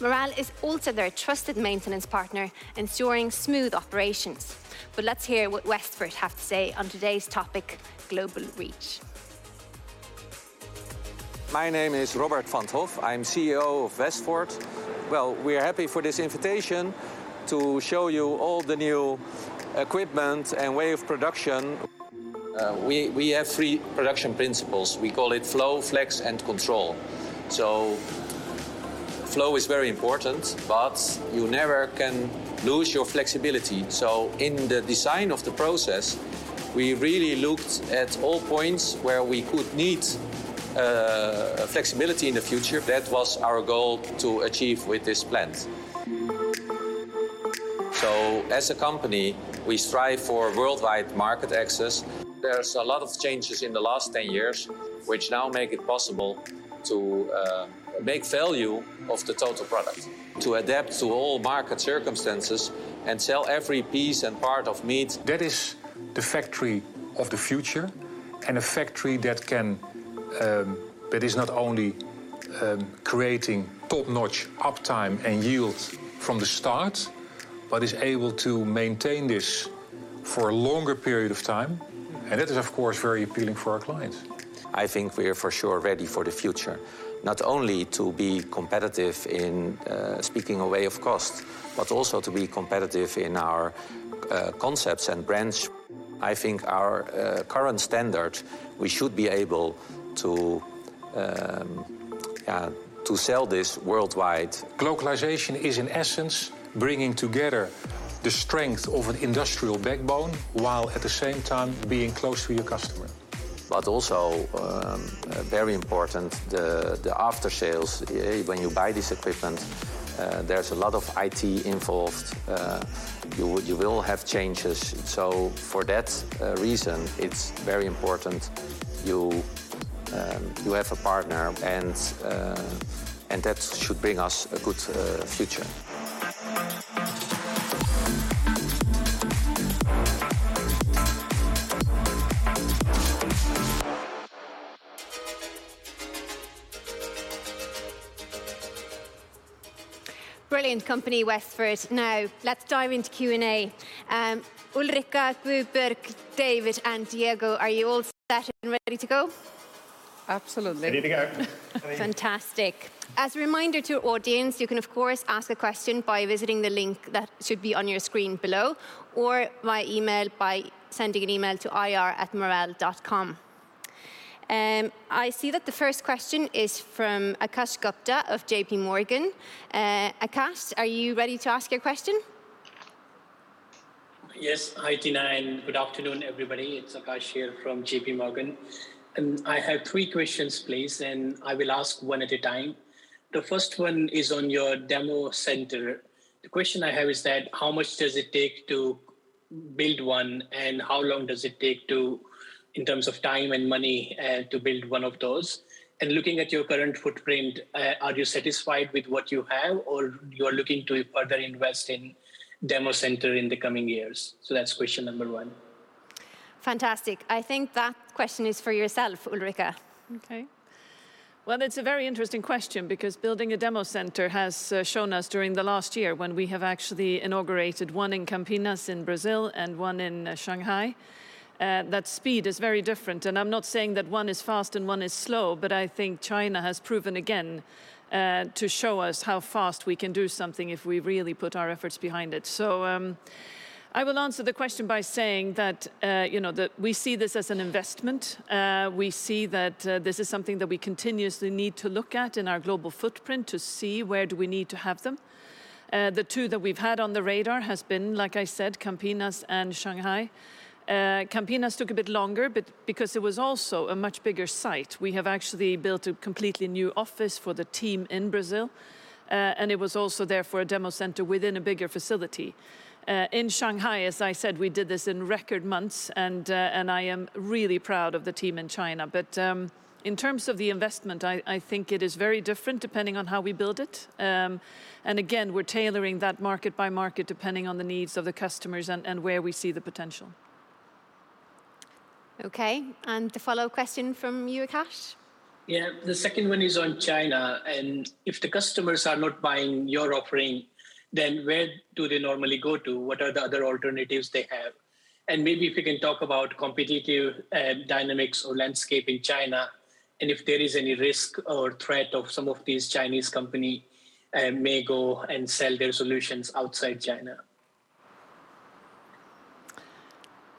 Marel is also their trusted maintenance partner, ensuring smooth operations. Let's hear what Westfort have to say on today's topic, global reach.
My name is Robbert van 't Hof. I'm CEO of Westfort. Well, we're happy for this invitation to show you all the new equipment and way of production. We have three production principles. We call it flow, flex, and control. Flow is very important, but you never can lose your flexibility. In the design of the process, we really looked at all points where we could need flexibility in the future. That was our goal to achieve with this plant. As a company, we strive for worldwide market access. There's a lot of changes in the last 10 years which now make it possible to make value of the total product, to adapt to all market circumstances and sell every piece and part of meat.
That is the factory of the future, and a factory that is not only creating top-notch uptime and yield from the start, but is able to maintain this for a longer period of time. It is, of course, very appealing for our clients. I think we are for sure ready for the future, not only to be competitive in speaking a way of cost, but also to be competitive in our concepts and brands. I think our current standard we should be able to sell this worldwide.
Glocalization is, in essence, bringing together the strength of an industrial backbone while at the same time being close to your customer.
Very important, the after-sales. When you buy this equipment, there's a lot of IT involved. You will have changes, so for that reason, it's very important you have a partner and that should bring us a good future.
Brilliant company, Westfort. Now, let's dive into Q&A. Ulrika, Gudbjörg, David, and Diego, are you all set and ready to go?
Absolutely.
Ready to go.
Fantastic. As a reminder to our audience, you can of course ask a question by visiting the link that should be on your screen below or via email by sending an email to ir@marel.com. I see that the first question is from Akash Gupta of J.P. Morgan. Akash, are you ready to ask your question?
Yes. Hi, Tinna, and good afternoon, everybody. It's Akash here from J.P. Morgan. I have three questions, please, and I will ask one at a time. The first one is on your demo center. The question I have is that how much does it take to build one, and how long does it take to, in terms of time and money, to build one of those? Looking at your current footprint, are you satisfied with what you have or you are looking to further invest in demo center in the coming years? That's question number one.
Fantastic. I think that question is for yourself, Ulrika.
Okay. Well, it's a very interesting question because building a demo center has shown us during the last year when we have actually inaugurated one in Campinas in Brazil and one in Shanghai that speed is very different. I'm not saying that one is fast and one is slow, but I think China has proven again to show us how fast we can do something if we really put our efforts behind it. I will answer the question by saying that you know we see this as an investment we see that this is something that we continuously need to look at in our global footprint to see where do we need to have them. The two that we've had on the radar has been, like I said, Campinas and Shanghai. Campinas took a bit longer, but because it was also a much bigger site. We have actually built a completely new office for the team in Brazil. It was also therefore a demo center within a bigger facility. In Shanghai, as I said, we did this in record months, and I am really proud of the team in China. In terms of the investment, I think it is very different depending on how we build it. We're tailoring that market by market depending on the needs of the customers and where we see the potential.
Okay. The follow-up question from you, Akash?
Yeah. The second one is on China, and if the customers are not buying your offering, then where do they normally go to? What are the other alternatives they have? And maybe if you can talk about competitive dynamics or landscape in China, and if there is any risk or threat of some of these Chinese company may go and sell their solutions outside China.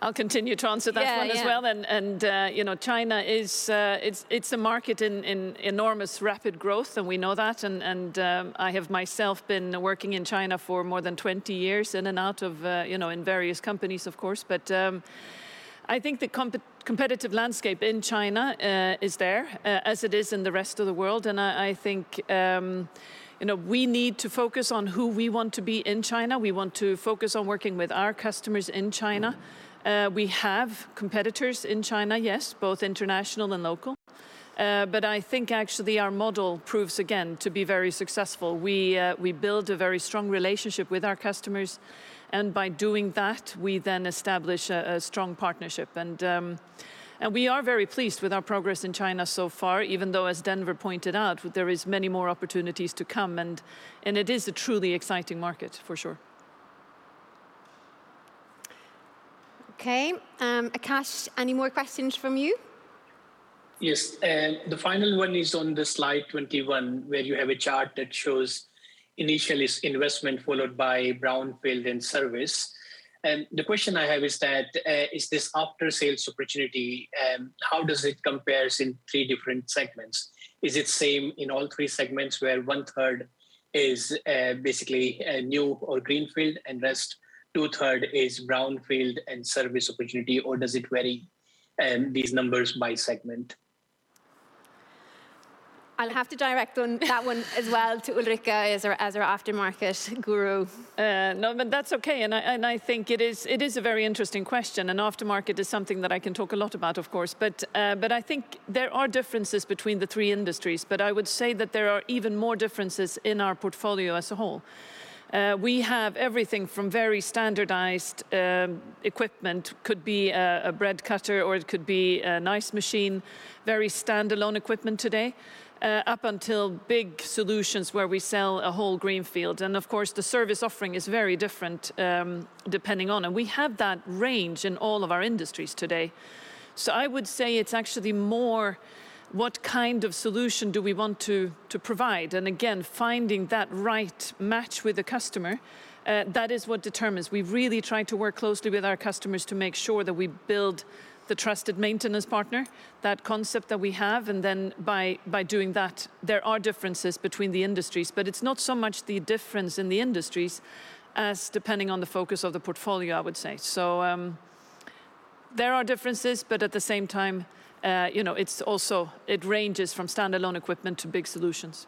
I'll continue to answer that one as well.
Yeah, yeah.
You know, China is a market in enormous rapid growth, and we know that. I have myself been working in China for more than 20 years, in and out of, you know, in various companies, of course. I think the competitive landscape in China is there, as it is in the rest of the world. I think, you know, we need to focus on who we want to be in China. We want to focus on working with our customers in China. We have competitors in China, yes, both international and local. But I think actually our model proves again to be very successful. We build a very strong relationship with our customers, and by doing that, we then establish a strong partnership. We are very pleased with our progress in China so far, even though, as Denver pointed out, there is many more opportunities to come, and it is a truly exciting market, for sure.
Okay. Akash, any more questions from you?
Yes. The final one is on the slide 21, where you have a chart that shows initial investment followed by brownfield and service. The question I have is that, is this after-sales opportunity, how does it compare in three different segments? Is it same in all three segments, where 1/3 is, basically, new or greenfield, and rest 2/3 is brownfield and service opportunity, or does it vary, these numbers by segment?
I'll have to direct on that one as well to Ulrika as our aftermarket guru.
No, that's okay. I think it is a very interesting question, and aftermarket is something that I can talk a lot about, of course. I think there are differences between the three industries, but I would say that there are even more differences in our portfolio as a whole. We have everything from very standardized equipment, could be a bread cutter, or it could be a nice machine, very standalone equipment today, up until big solutions where we sell a whole greenfield. Of course, the service offering is very different, depending on that range in all of our industries today. I would say it's actually more what kind of solution do we want to provide, and again, finding that right match with the customer, that is what determines. We've really tried to work closely with our customers to make sure that we build the trusted maintenance partner, that concept that we have, and then by doing that, there are differences between the industries. It's not so much the difference in the industries as depending on the focus of the portfolio, I would say. There are differences, but at the same time, you know, it's also. It ranges from standalone equipment to big solutions.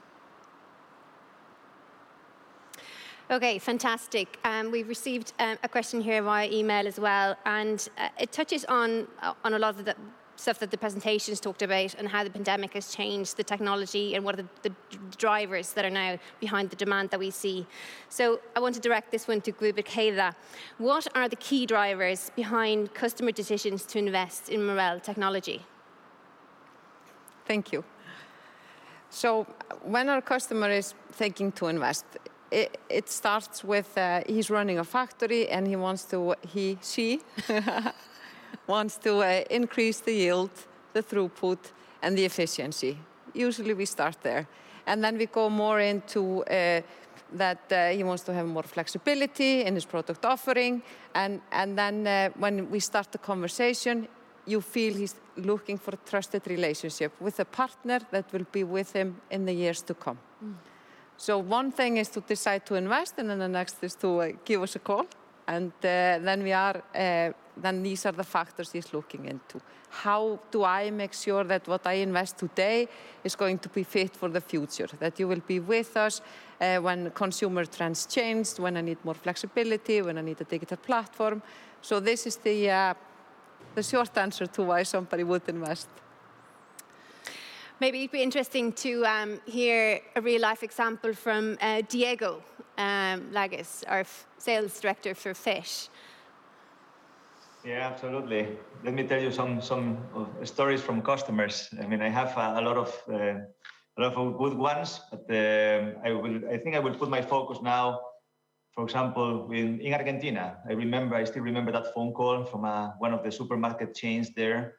Okay, fantastic. We've received a question here via email as well, and it touches on a lot of the stuff that the presentations talked about and how the pandemic has changed the technology and what are the drivers that are now behind the demand that we see. I want to direct this one to Gudbjörg Heiða. What are the key drivers behind customer decisions to invest in Marel technology?
Thank you. When our customer is thinking to invest, it starts with he's running a factory, and he, she wants to increase the yield, the throughput, and the efficiency. Usually, we start there. We go more into that he wants to have more flexibility in his product offering, and then when we start the conversation, you feel he's looking for a trusted relationship with a partner that will be with him in the years to come. One thing is to decide to invest, and then the next is to give us a call, and then these are the factors he's looking into. How do I make sure that what I invest today is going to be fit for the future? That you will be with us when consumer trends change, when I need more flexibility, when I need a digital platform. This is the short answer to why somebody would invest.
Maybe it'd be interesting to hear a real-life example from Diego Lages, our Sales Director for Fish.
Yeah, absolutely. Let me tell you some stories from customers. I mean, I have a lot of good ones, but I think I will put my focus now, for example, in Argentina. I remember, I still remember that phone call from one of the supermarket chains there,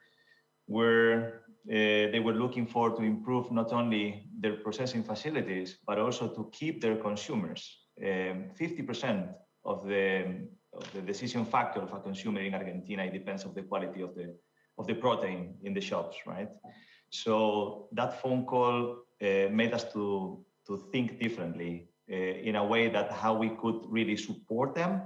where they were looking for to improve not only their processing facilities but also to keep their consumers. 50% of the decision factor of a consumer in Argentina depends on the quality of the protein in the shops, right? So that phone call made us to think differently in a way that how we could really support them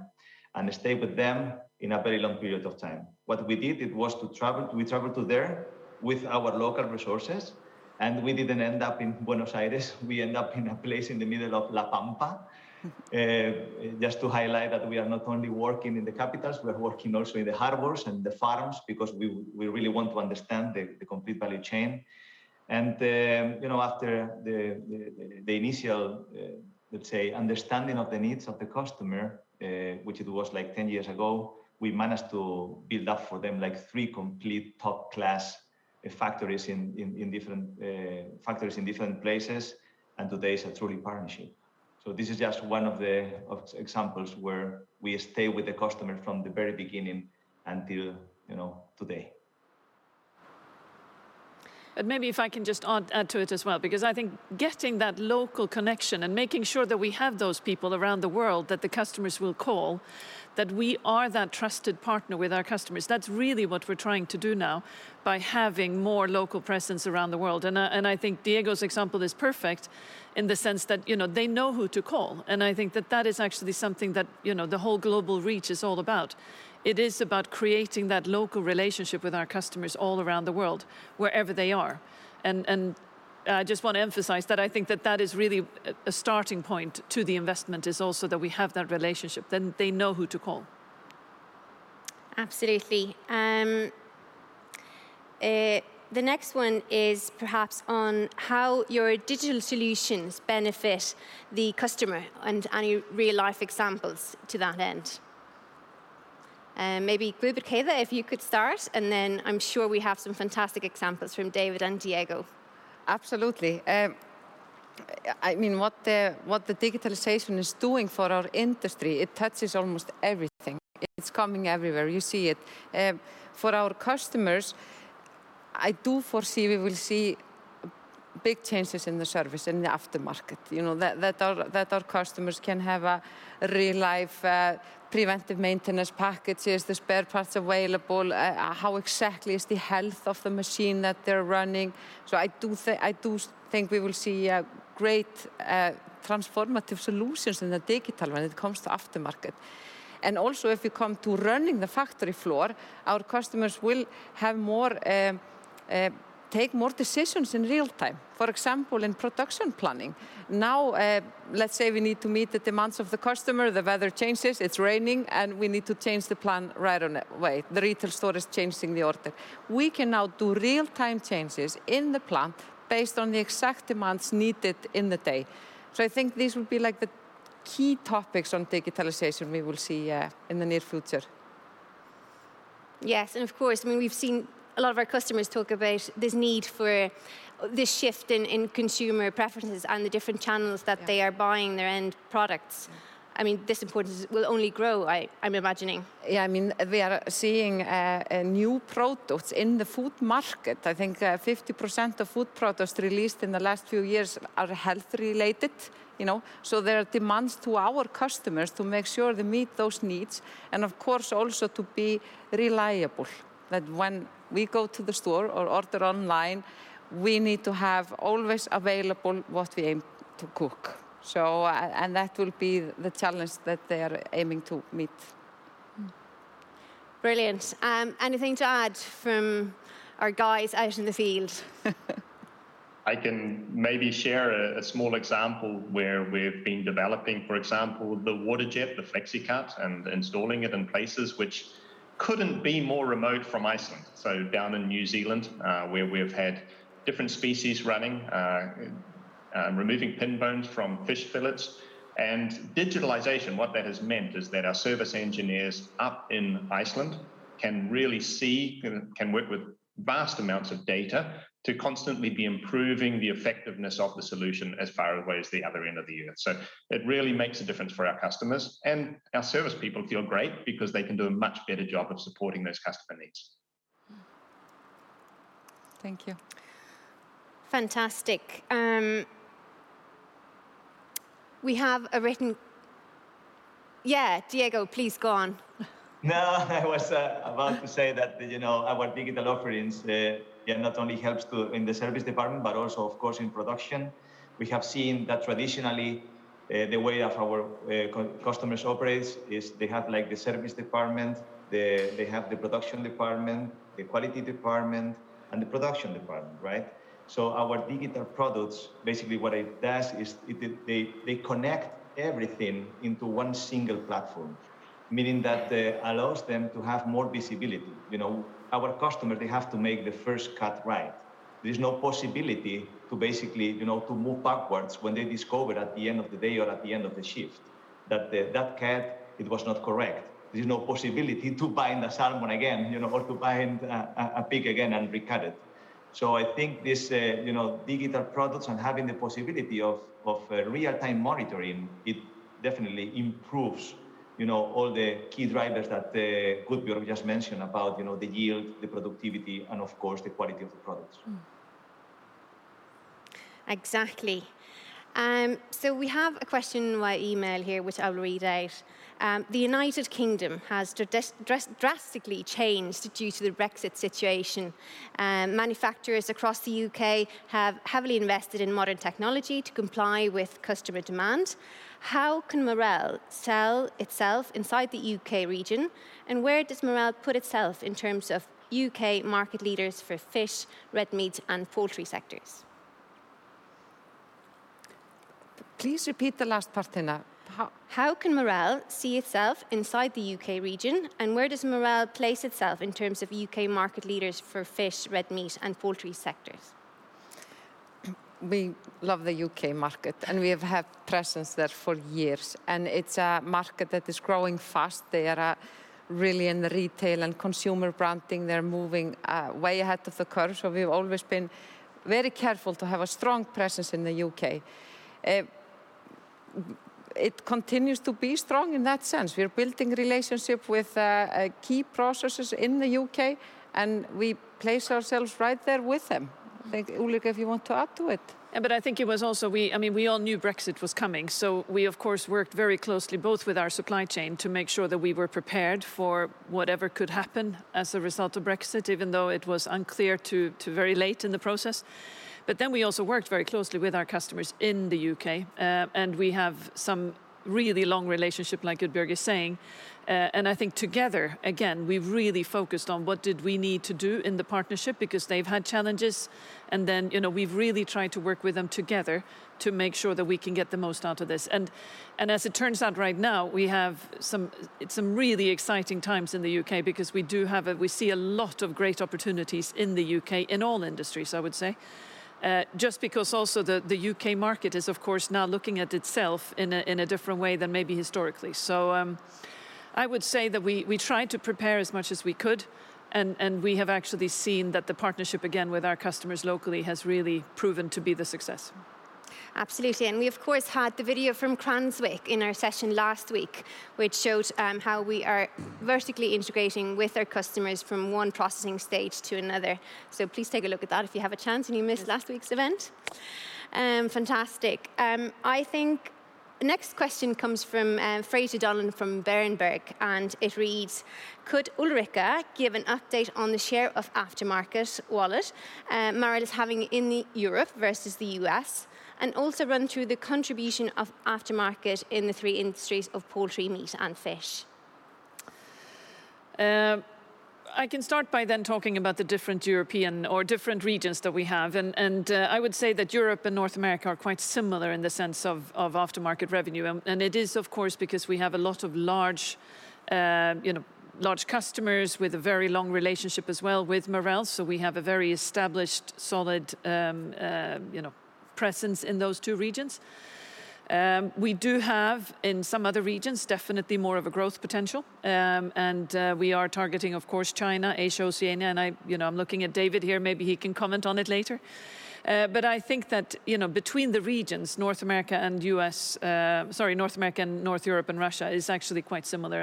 and stay with them in a very long period of time. What we did, it was to travel. We traveled to there with our local resources, and we didn't end up in Buenos Aires. We end up in a place in the middle of La Pampa. Just to highlight that we are not only working in the capitals, we're working also in the harbors and the farms because we really want to understand the complete value chain. You know, after the initial, let's say, understanding of the needs of the customer, which it was like 10 years ago, we managed to build up for them like three complete top-class factories in different places, and today it's a truly partnership. This is just one of the examples where we stay with the customer from the very beginning until, you know, today.
Maybe if I can just add to it as well, because I think getting that local connection and making sure that we have those people around the world that the customers will call, that we are that trusted partner with our customers, that's really what we're trying to do now by having more local presence around the world. I think Diego's example is perfect in the sense that, you know, they know who to call. I think that is actually something that, you know, the whole global reach is all about. It is about creating that local relationship with our customers all around the world, wherever they are. I just want to emphasize that I think that is really a starting point to the investment is also that we have that relationship. They know who to call.
Absolutely. The next one is perhaps on how your digital solutions benefit the customer and any real-life examples to that end. Maybe Gudbjörg Heiða, if you could start, and then I'm sure we have some fantastic examples from David and Diego.
Absolutely. I mean, what the digitalization is doing for our industry, it touches almost everything. It's coming everywhere. You see it. For our customers, I do foresee we will see big changes in the service, in the aftermarket. You know, that our customers can have a real life preventive maintenance packages, the spare parts available, how exactly is the health of the machine that they're running. I do think we will see a great transformative solutions in the digital when it comes to aftermarket. Also, if we come to running the factory floor, our customers will take more decisions in real time. For example, in production planning. Now, let's say we need to meet the demands of the customer, the weather changes, it's raining, and we need to change the plan right away. The retail store is changing the order. We can now do real time changes in the plant based on the exact demands needed in the day. I think these will be, like, the key topics on digitalization we will see in the near future.
Yes. Of course, I mean, we've seen a lot of our customers talk about this need for this shift in consumer preferences and the different channels that-
Yeah....
they are buying their end products. I mean, this importance will only grow, I'm imagining.
Yeah, I mean, we are seeing new products in the food market. I think 50% of food products released in the last few years are health related, you know? There are demands to our customers to make sure they meet those needs and of course also to be reliable, that when we go to the store or order online, we need to have always available what we aim to cook. That will be the challenge that they are aiming to meet.
Brilliant. Anything to add from our guys out in the field?
I can maybe share a small example where we've been developing, for example, the water jet, the FleXicut, and installing it in places which couldn't be more remote from Iceland. Down in New Zealand, where we've had different species running, removing pin bones from fish fillets. Digitalization, what that has meant is that our service engineers up in Iceland can really see, can work with vast amounts of data to constantly be improving the effectiveness of the solution as far away as the other end of the world. It really makes a difference for our customers, and our service people feel great because they can do a much better job of supporting those customer needs.
Mm.
Thank you.
Fantastic. Yeah, Diego, please go on.
No, I was about to say that, you know, our digital offerings, yeah, not only helps in the service department, but also of course in production. We have seen that traditionally, the way of our customers operates is they have, like, the service department, they have the production department, the quality department, and the production department, right? Our digital products, basically what it does is they connect everything into one single platform, meaning that allows them to have more visibility. You know, our customers, they have to make the first cut right. There's no possibility to basically, you know, to move backwards when they discover at the end of the day or at the end of the shift that that cut, it was not correct. There's no possibility to buying the salmon again, you know, or to buying a pig again and recut it. I think this, you know, digital products and having the possibility of real-time monitoring, it definitely improves, you know, all the key drivers that Guðbjörg just mentioned about, you know, the yield, the productivity, and of course the quality of the products.
Exactly. So we have a question via email here, which I'll read out. "The United Kingdom has to drastically changed due to the Brexit situation. Manufacturers across the U.K. have heavily invested in modern technology to comply with customer demand. How can Marel sell itself inside the U.K. region, and where does Marel put itself in terms of U.K. market leaders for fish, red meat, and poultry sectors?"
Please repeat the last part, Tinna.
How can Marel see itself inside the U.K. region, and where does Marel place itself in terms of U.K. market leaders for fish, red meat, and poultry sectors?
We love the U.K. market, and we have had presence there for years, and it's a market that is growing fast. They are really in the retail and consumer branding. They're moving way ahead of the curve, so we've always been very careful to have a strong presence in the U.K. It continues to be strong in that sense. We're building relationships with key processors in the U.K., and we place ourselves right there with them. I think Ulrika, if you want to add to it.
Yeah, but I think it was also. I mean, we all knew Brexit was coming, so we of course worked very closely both with our supply chain to make sure that we were prepared for whatever could happen as a result of Brexit, even though it was unclear to very late in the process. Then we also worked very closely with our customers in the U.K., and we have some really long relationship like Gudbjörg is saying. And I think together, again, we've really focused on what did we need to do in the partnership because they've had challenges and then, you know, we've really tried to work with them together to make sure that we can get the most out of this. As it turns out right now, we have some really exciting times in the U.K. because we see a lot of great opportunities in the U.K. in all industries, I would say. Just because also the U.K. market is of course now looking at itself in a different way than maybe historically. I would say that we tried to prepare as much as we could and we have actually seen that the partnership again with our customers locally has really proven to be the success.
Absolutely. We of course had the video from Cranswick in our session last week, which showed how we are vertically integrating with our customers from one processing stage to another. Please take a look at that if you have a chance, and you missed last week's event. Fantastic. I think next question comes from Fraser Donlon from Berenberg, and it reads, "Could Ulrika give an update on the share of aftermarket wallet, Marel is having in Europe versus the U.S., and also run through the contribution of aftermarket in the three industries of poultry, meat, and fish?"
I can start by then talking about the different European or different regions that we have. I would say that Europe and North America are quite similar in the sense of aftermarket revenue. It is of course because we have a lot of large, you know, customers with a very long relationship as well with Marel, so we have a very established solid, you know, presence in those two regions. We do have, in some other regions, definitely more of a growth potential. We are targeting of course China, Asia, Oceania, and I, you know, I'm looking at David here, maybe he can comment on it later. I think that, you know, between the regions, North America and North Europe and Russia is actually quite similar.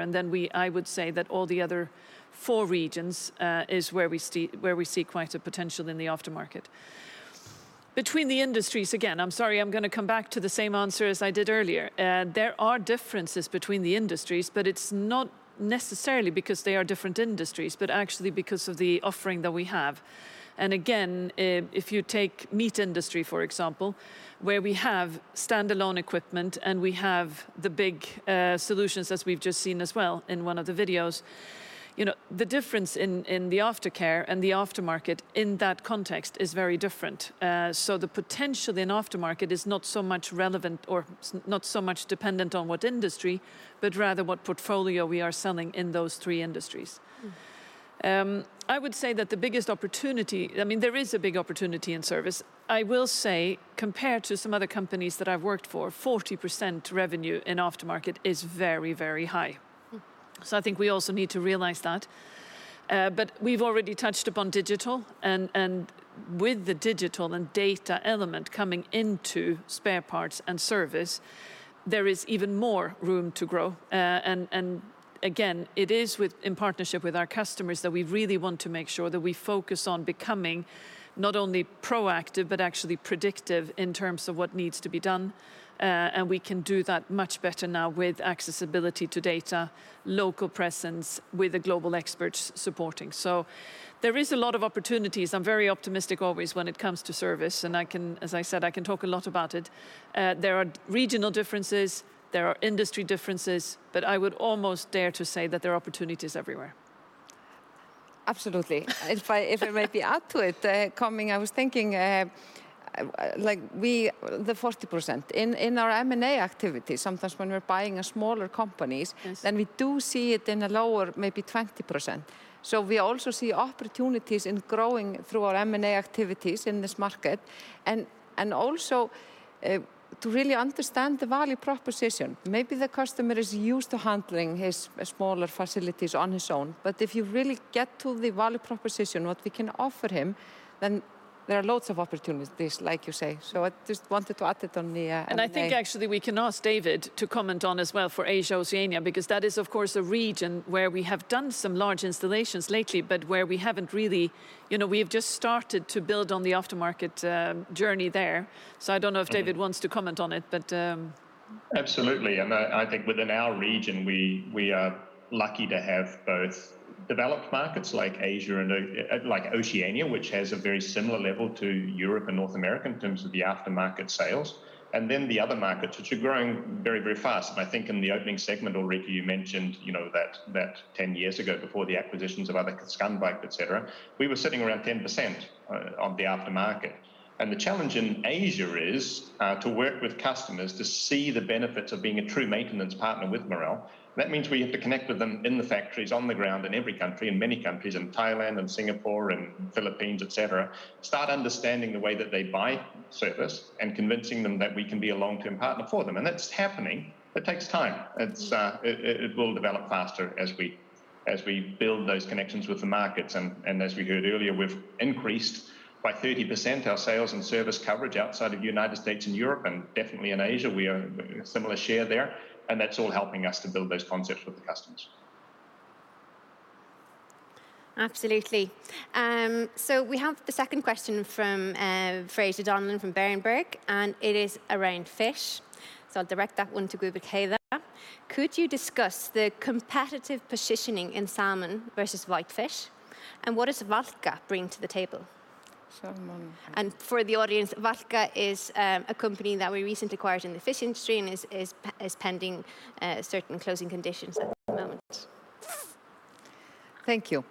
I would say that all the other four regions is where we see quite a potential in the aftermarket. Between the industries, again, I'm sorry I'm gonna come back to the same answer as I did earlier. There are differences between the industries, but it's not necessarily because they are different industries, but actually because of the offering that we have. If you take meat industry, for example, where we have standalone equipment and we have the big solutions as we've just seen as well in one of the videos, you know, the difference in the aftercare and the aftermarket in that context is very different. So the potential in aftermarket is not so much relevant or not so much dependent on what industry, but rather what portfolio we are selling in those three industries. I would say that the biggest opportunity, I mean, there is a big opportunity in service. I will say compared to some other companies that I've worked for, 40% revenue in aftermarket is very, very high. I think we also need to realize that. But we've already touched upon digital and, with the digital and data element coming into spare parts and service, there is even more room to grow. And again, it is in partnership with our customers that we really want to make sure that we focus on becoming not only proactive but actually predictive in terms of what needs to be done. We can do that much better now with accessibility to data, local presence with the global experts supporting. There is a lot of opportunities. I'm very optimistic always when it comes to service, and I can, as I said, I can talk a lot about it. There are regional differences, there are industry differences, but I would almost dare to say that there are opportunities everywhere.
Absolutely. If I may add to it, like we, the 40%, in our M&A activity, sometimes when we're buying smaller companies-
Yes
We do see it in a lower, maybe 20%. We also see opportunities in growing through our M&A activities in this market and also to really understand the value proposition. Maybe the customer is used to handling his smaller facilities on his own, but if you really get to the value proposition, what we can offer him, then there are lots of opportunities, like you say. I just wanted to add it on the-
I think actually we can ask David to comment on as well for Asia, Oceania, because that is of course a region where we have done some large installations lately, but where we haven't really. You know, we have just started to build on the aftermarket journey there. I don't know if David wants to comment on it, but-
Absolutely. I think within our region, we are lucky to have both developed markets like Asia and like Oceania, which has a very similar level to Europe and North America in terms of the aftermarket sales, and then the other markets which are growing very fast. I think in the opening segment, Ulrika, you mentioned, you know, that 10 years ago before the acquisitions of other, Scanvaegt et cetera, we were sitting around 10% of the aftermarket. The challenge in Asia is to work with customers to see the benefits of being a true maintenance partner with Marel. That means we have to connect with them in the factories, on the ground, in every country, in many countries, in Thailand, and Singapore, and Philippines, et cetera, start understanding the way that they buy service and convincing them that we can be a long-term partner for them. That's happening. It takes time. It will develop faster as we build those connections with the markets. As we heard earlier, we've increased by 30% our sales and service coverage outside of United States and Europe, and definitely in Asia, we own a similar share there. That's all helping us to build those concepts with the customers.
Absolutely. We have the second question from Fraser Donlon from Berenberg, and it is around fish, so I'll direct that one to Guðbjörg Heiða. Could you discuss the competitive positioning in salmon versus whitefish, and what does Valka bring to the table?
Salmon.
For the audience, Valka is a company that we recently acquired in the fish industry and is pending certain closing conditions at the moment.
Thank you.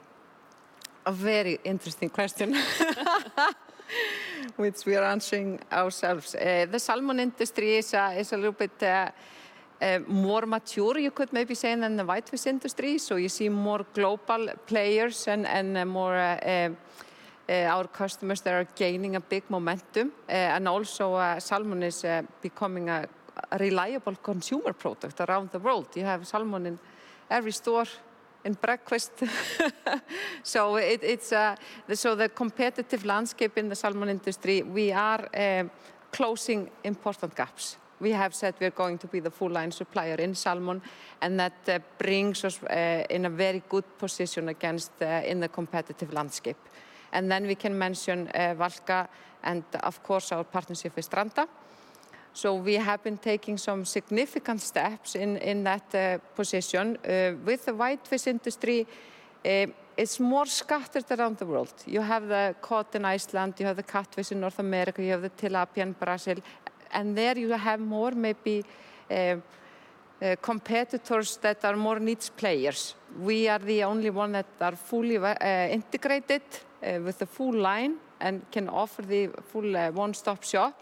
A very interesting question which we are answering ourselves. The salmon industry is a little bit more mature you could maybe say than the whitefish industry, so you see more global players and more our customers that are gaining a big momentum. Salmon is becoming a reliable consumer product around the world. You have salmon in every store in breakfast. It's the competitive landscape in the salmon industry, we are closing important gaps. We have said we're going to be the full-line supplier in salmon, and that brings us in a very good position against in the competitive landscape. Then we can mention Valka, and of course our partnership with Stranda. We have been taking some significant steps in that position. With the whitefish industry, it's more scattered around the world. You have the cod in Iceland, you have the catfish in North America, you have the tilapia in Brazil. There you have more maybe competitors that are more niche players. We are the only one that are fully integrated with the full line and can offer the full one-stop shop.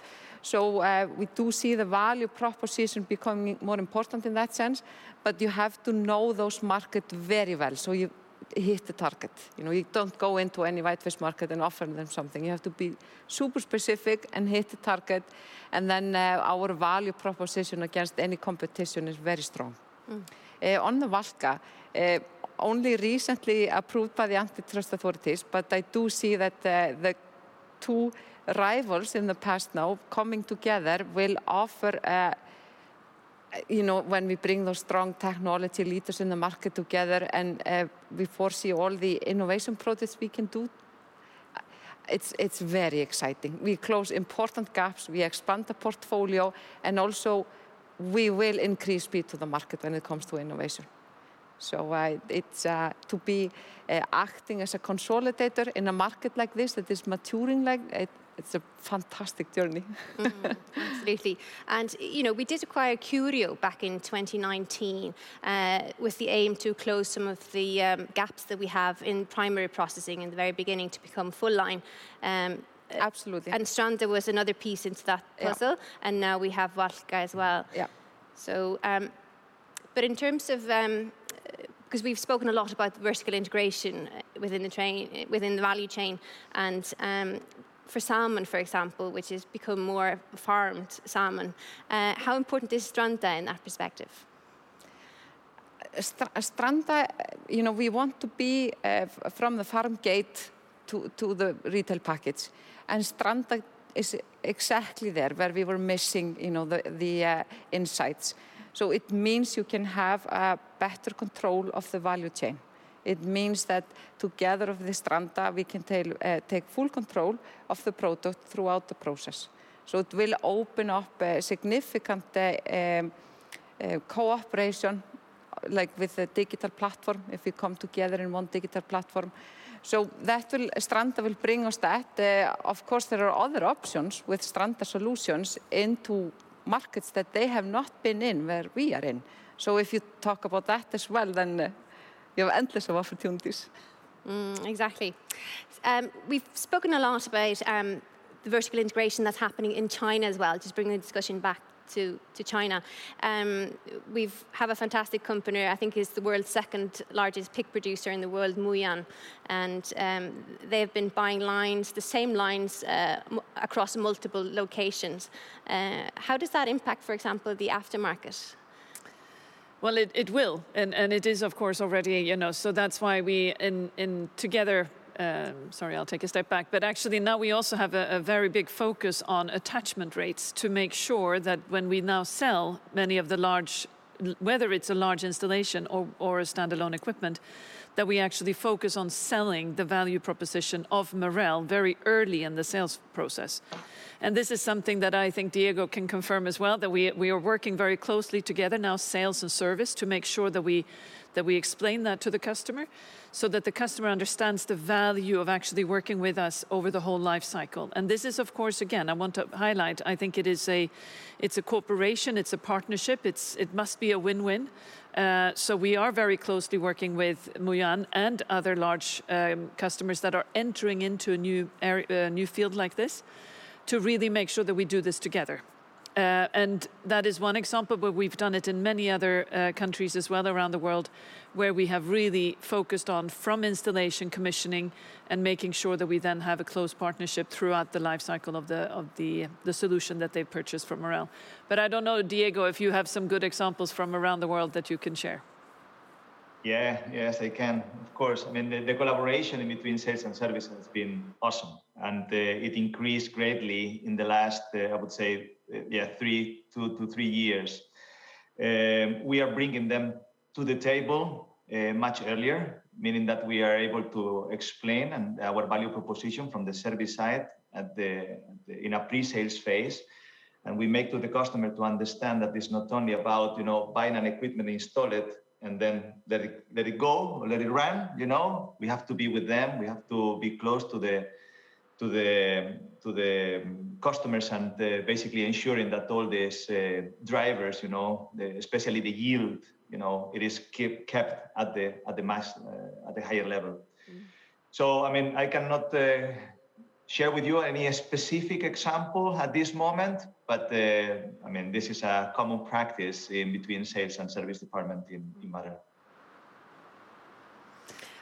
We do see the value proposition becoming more important in that sense, but you have to know those market very well, so you hit the target. You know, you don't go into any whitefish market and offer them something. You have to be super specific and hit the target, and then our value proposition against any competition is very strong.
Mm.
On the Valka, only recently approved by the antitrust authorities, but I do see that, the two rivals in the past now coming together will offer, you know, when we bring those strong technology leaders in the market together and, we foresee all the innovation projects we can do, it's very exciting. We close important gaps, we expand the portfolio, and also we will increase speed to the market when it comes to innovation. It's to be acting as a consolidator in a market like this that is maturing like, it's a fantastic journey.
Absolutely. You know, we did acquire Curio back in 2019 with the aim to close some of the gaps that we have in primary processing in the very beginning to become full line.
Absolutely.
Stranda was another piece into that puzzle.
Yeah.
Now we have Valka as well.
Yeah.
In terms of, 'cause we've spoken a lot about the vertical integration within the chain, within the value chain and, for salmon, for example, which has become more farmed salmon, how important is Stranda in that perspective?
Stranda, you know, we want to be from the farm gate to the retail package, and Stranda is exactly there where we were missing, you know, the insights. It means you can have better control of the value chain. It means that together with Stranda we can take full control of the product throughout the process. It will open up a significant cooperation, like with the digital platform, if we come together in one digital platform. That will. Stranda will bring us that. Of course there are other options with Stranda solutions into markets that they have not been in where we are in. If you talk about that as well, then you have endless of opportunities.
Exactly. We've spoken a lot about the vertical integration that's happening in China as well, just bringing the discussion back to China. We have a fantastic company, I think it's the world's second-largest pig producer in the world, Muyuan, and they've been buying lines, the same lines across multiple locations. How does that impact, for example, the aftermarket?
Well, it will, and it is of course already, you know. Actually, we also have a very big focus on attachment rates to make sure that when we now sell many of the large—whether it's a large installation or a standalone equipment—that we actually focus on selling the value proposition of Marel very early in the sales process. This is something that I think Diego can confirm as well, that we are working very closely together now, sales and service, to make sure that we explain that to the customer, so that the customer understands the value of actually working with us over the whole life cycle. This is of course, again, I want to highlight, I think it is, it's a cooperation, it's a partnership, it must be a win-win. We are very closely working with Muyuan and other large customers that are entering into a new field like this to really make sure that we do this together. That is one example, but we've done it in many other countries as well around the world, where we have really focused on from installation, commissioning, and making sure that we then have a close partnership throughout the life cycle of the solution that they've purchased from Marel. I don't know, Diego, if you have some good examples from around the world that you can share.
Yeah. Yes, I can. Of course. I mean, the collaboration in between sales and service has been awesome, and it increased greatly in the last, I would say, 2-3 years. We are bringing them to the table much earlier, meaning that we are able to explain our value proposition from the service side in a pre-sales phase. We make the customer understand that it's not only about, you know, buying an equipment, install it, and then let it go or let it run, you know? We have to be with them. We have to be close to the customers and basically ensuring that all this drivers, you know, especially the yield, you know, it is kept at the max, at the higher level. I mean, I cannot share with you any specific example at this moment, but, I mean, this is a common practice between sales and service department in Marel.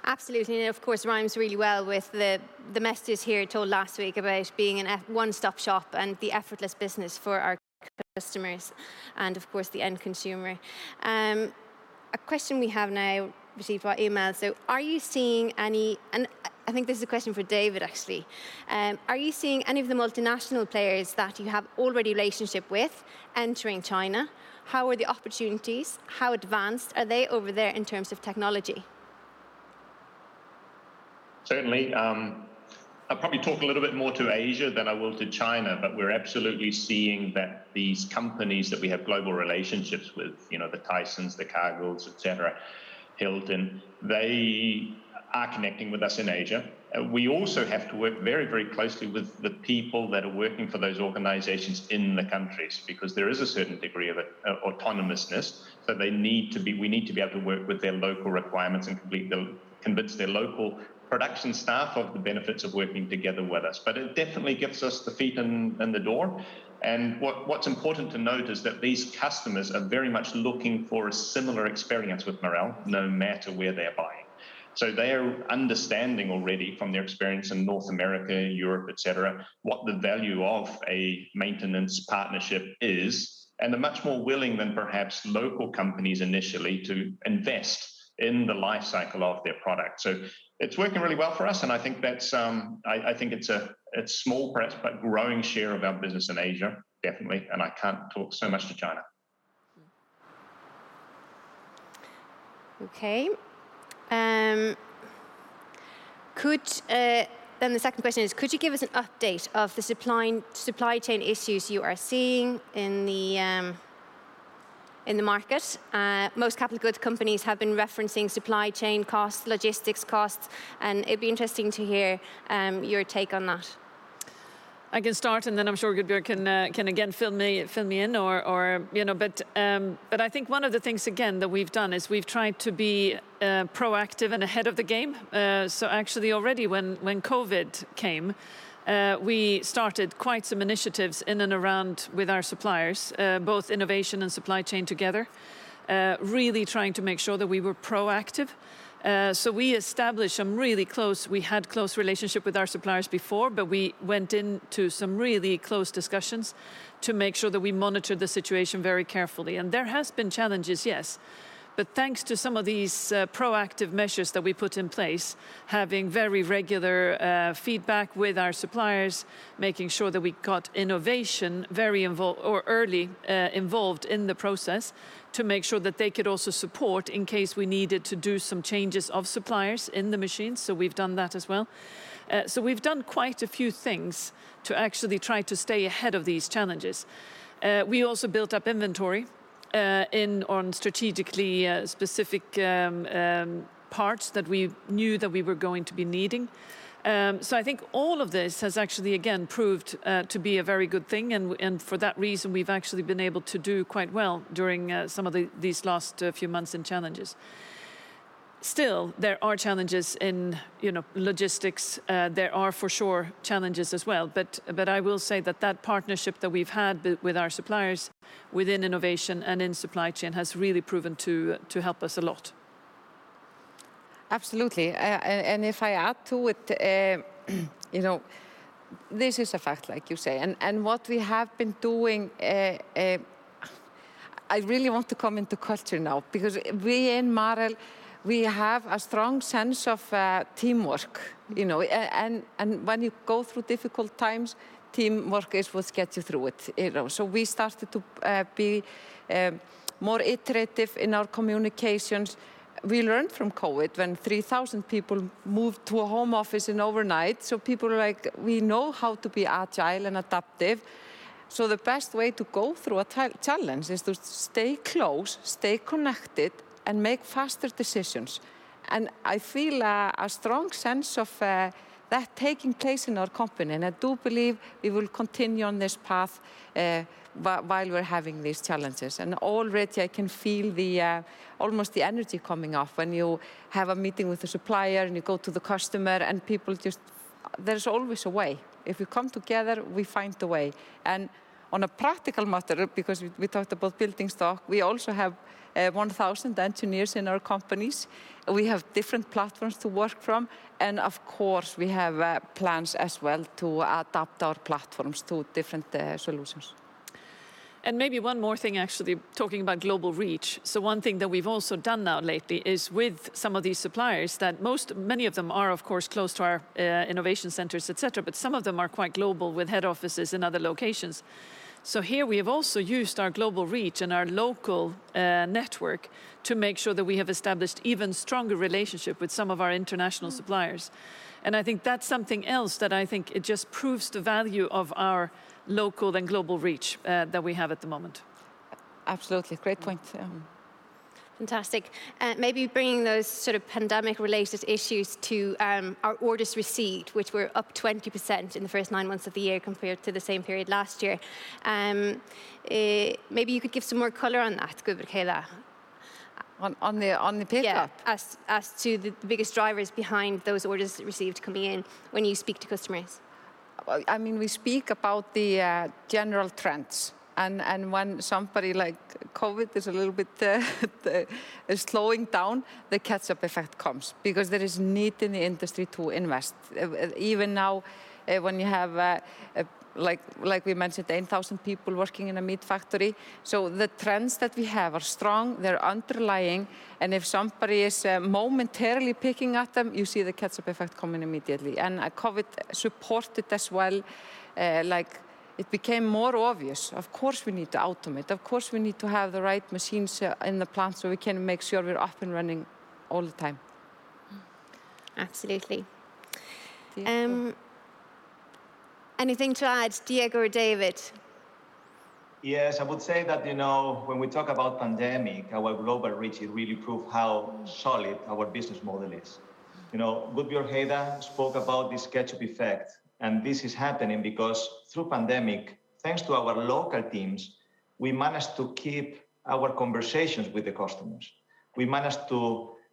Absolutely, of course it rhymes really well with the message here told last week about being a one-stop shop and the effortless business for our customers, and of course the end consumer. A question we have now received via email. I think this is a question for David, actually. Are you seeing any of the multinational players that you have a relationship with entering China? How are the opportunities? How advanced are they over there in terms of technology?
Certainly. I'll probably talk a little bit more to Asia than I will to China. We're absolutely seeing that these companies that we have global relationships with, you know, the Tysons, the Cargills, etc., Hilton, they are connecting with us in Asia. We also have to work very, very closely with the people that are working for those organizations in the countries because there is a certain degree of autonomousness. We need to be able to work with their local requirements and convince their local production staff of the benefits of working together with us. It definitely gets us the feet in the door. What's important to note is that these customers are very much looking for a similar experience with Marel, no matter where they're buying. They are understanding already from their experience in North America, Europe, et cetera, what the value of a maintenance partnership is, and they're much more willing than perhaps local companies initially to invest in the life cycle of their product. It's working really well for us, and I think that's small, perhaps, but growing share of our business in Asia, definitely, and I can't talk so much to China.
Okay. The second question is, could you give us an update of the supply chain issues you are seeing in the market? Most capital goods companies have been referencing supply chain costs, logistics costs, and it'd be interesting to hear your take on that.
I can start, and then I'm sure Gudbjörg can fill me in or you know. I think one of the things again that we've done is we've tried to be proactive and ahead of the game. So actually already when COVID came, we started quite some initiatives in and around with our suppliers, both innovation and supply chain together, really trying to make sure that we were proactive. So we established some really close. We had close relationship with our suppliers before, but we went into some really close discussions to make sure that we monitored the situation very carefully. There has been challenges, yes. Thanks to some of these proactive measures that we put in place, having very regular feedback with our suppliers, making sure that we got innovation very early involved in the process to make sure that they could also support in case we needed to do some changes of suppliers in the machines. We've done that as well. We've done quite a few things to actually try to stay ahead of these challenges. We also built up inventory on strategically specific parts that we knew that we were going to be needing. I think all of this has actually again proved to be a very good thing and for that reason, we've actually been able to do quite well during some of these last few months and challenges. Still, there are challenges in, you know, logistics. There are for sure challenges as well, but I will say that that partnership that we've had with our suppliers within innovation and in supply chain has really proven to help us a lot.
Absolutely. If I add to it, you know, this is a fact, like you say. What we have been doing, I really want to come into culture now because we in Marel, we have a strong sense of teamwork, you know. When you go through difficult times, teamwork is what gets you through it, you know. We started to be more iterative in our communications. We learned from COVID when 3,000 people moved to a home office overnight, so people are like, we know how to be agile and adaptive. The best way to go through a challenge is to stay close, stay connected, and make faster decisions. I feel a strong sense of that taking place in our company, and I do believe we will continue on this path while we're having these challenges. Already I can feel almost the energy coming off when you have a meeting with a supplier and you go to the customer and people just. There's always a way. If we come together, we find the way. On a practical matter, because we talked about building stock, we also have 1,000 engineers in our companies. We have different platforms to work from, and of course we have plans as well to adapt our platforms to different solutions.
Maybe one more thing, actually, talking about global reach. One thing that we've also done now lately is with some of these suppliers that many of them are of course close to our innovation centers, et cetera, but some of them are quite global with head offices in other locations. Here we have also used our global reach and our local network to make sure that we have established even stronger relationship with some of our international suppliers. I think that's something else that I think it just proves the value of our local then global reach that we have at the moment.
Absolutely. Great point.
Fantastic. Maybe bringing those sort of pandemic related issues to our orders received, which were up 20% in the first nine months of the year compared to the same period last year. Maybe you could give some more color on that, Gudbjörg Heiða.
On the pickup?
Yeah. As to the biggest drivers behind those orders received coming in when you speak to customers.
Well, I mean, we speak about the general trends and when something like COVID is a little bit slowing down, the catch-up effect comes because there is need in the industry to invest. Even now, when you have, like we mentioned, 8,000 people working in a meat factory, so the trends that we have are strong, they're underlying, and if something is momentarily picking at them, you see the catch-up effect coming immediately. COVID supported as well, like it became more obvious, of course we need to automate, of course we need to have the right machines in the plant so we can make sure we're up and running all the time.
Absolutely.
Thank you.
Anything to add, Diego or David?
Yes, I would say that, you know, when we talk about pandemic, our global reach, it really prove how solid our business model is. You know, Gudbjörg Heiða spoke about this catch-up effect, and this is happening because through pandemic, thanks to our local teams, we managed to keep our conversations with the customers. We managed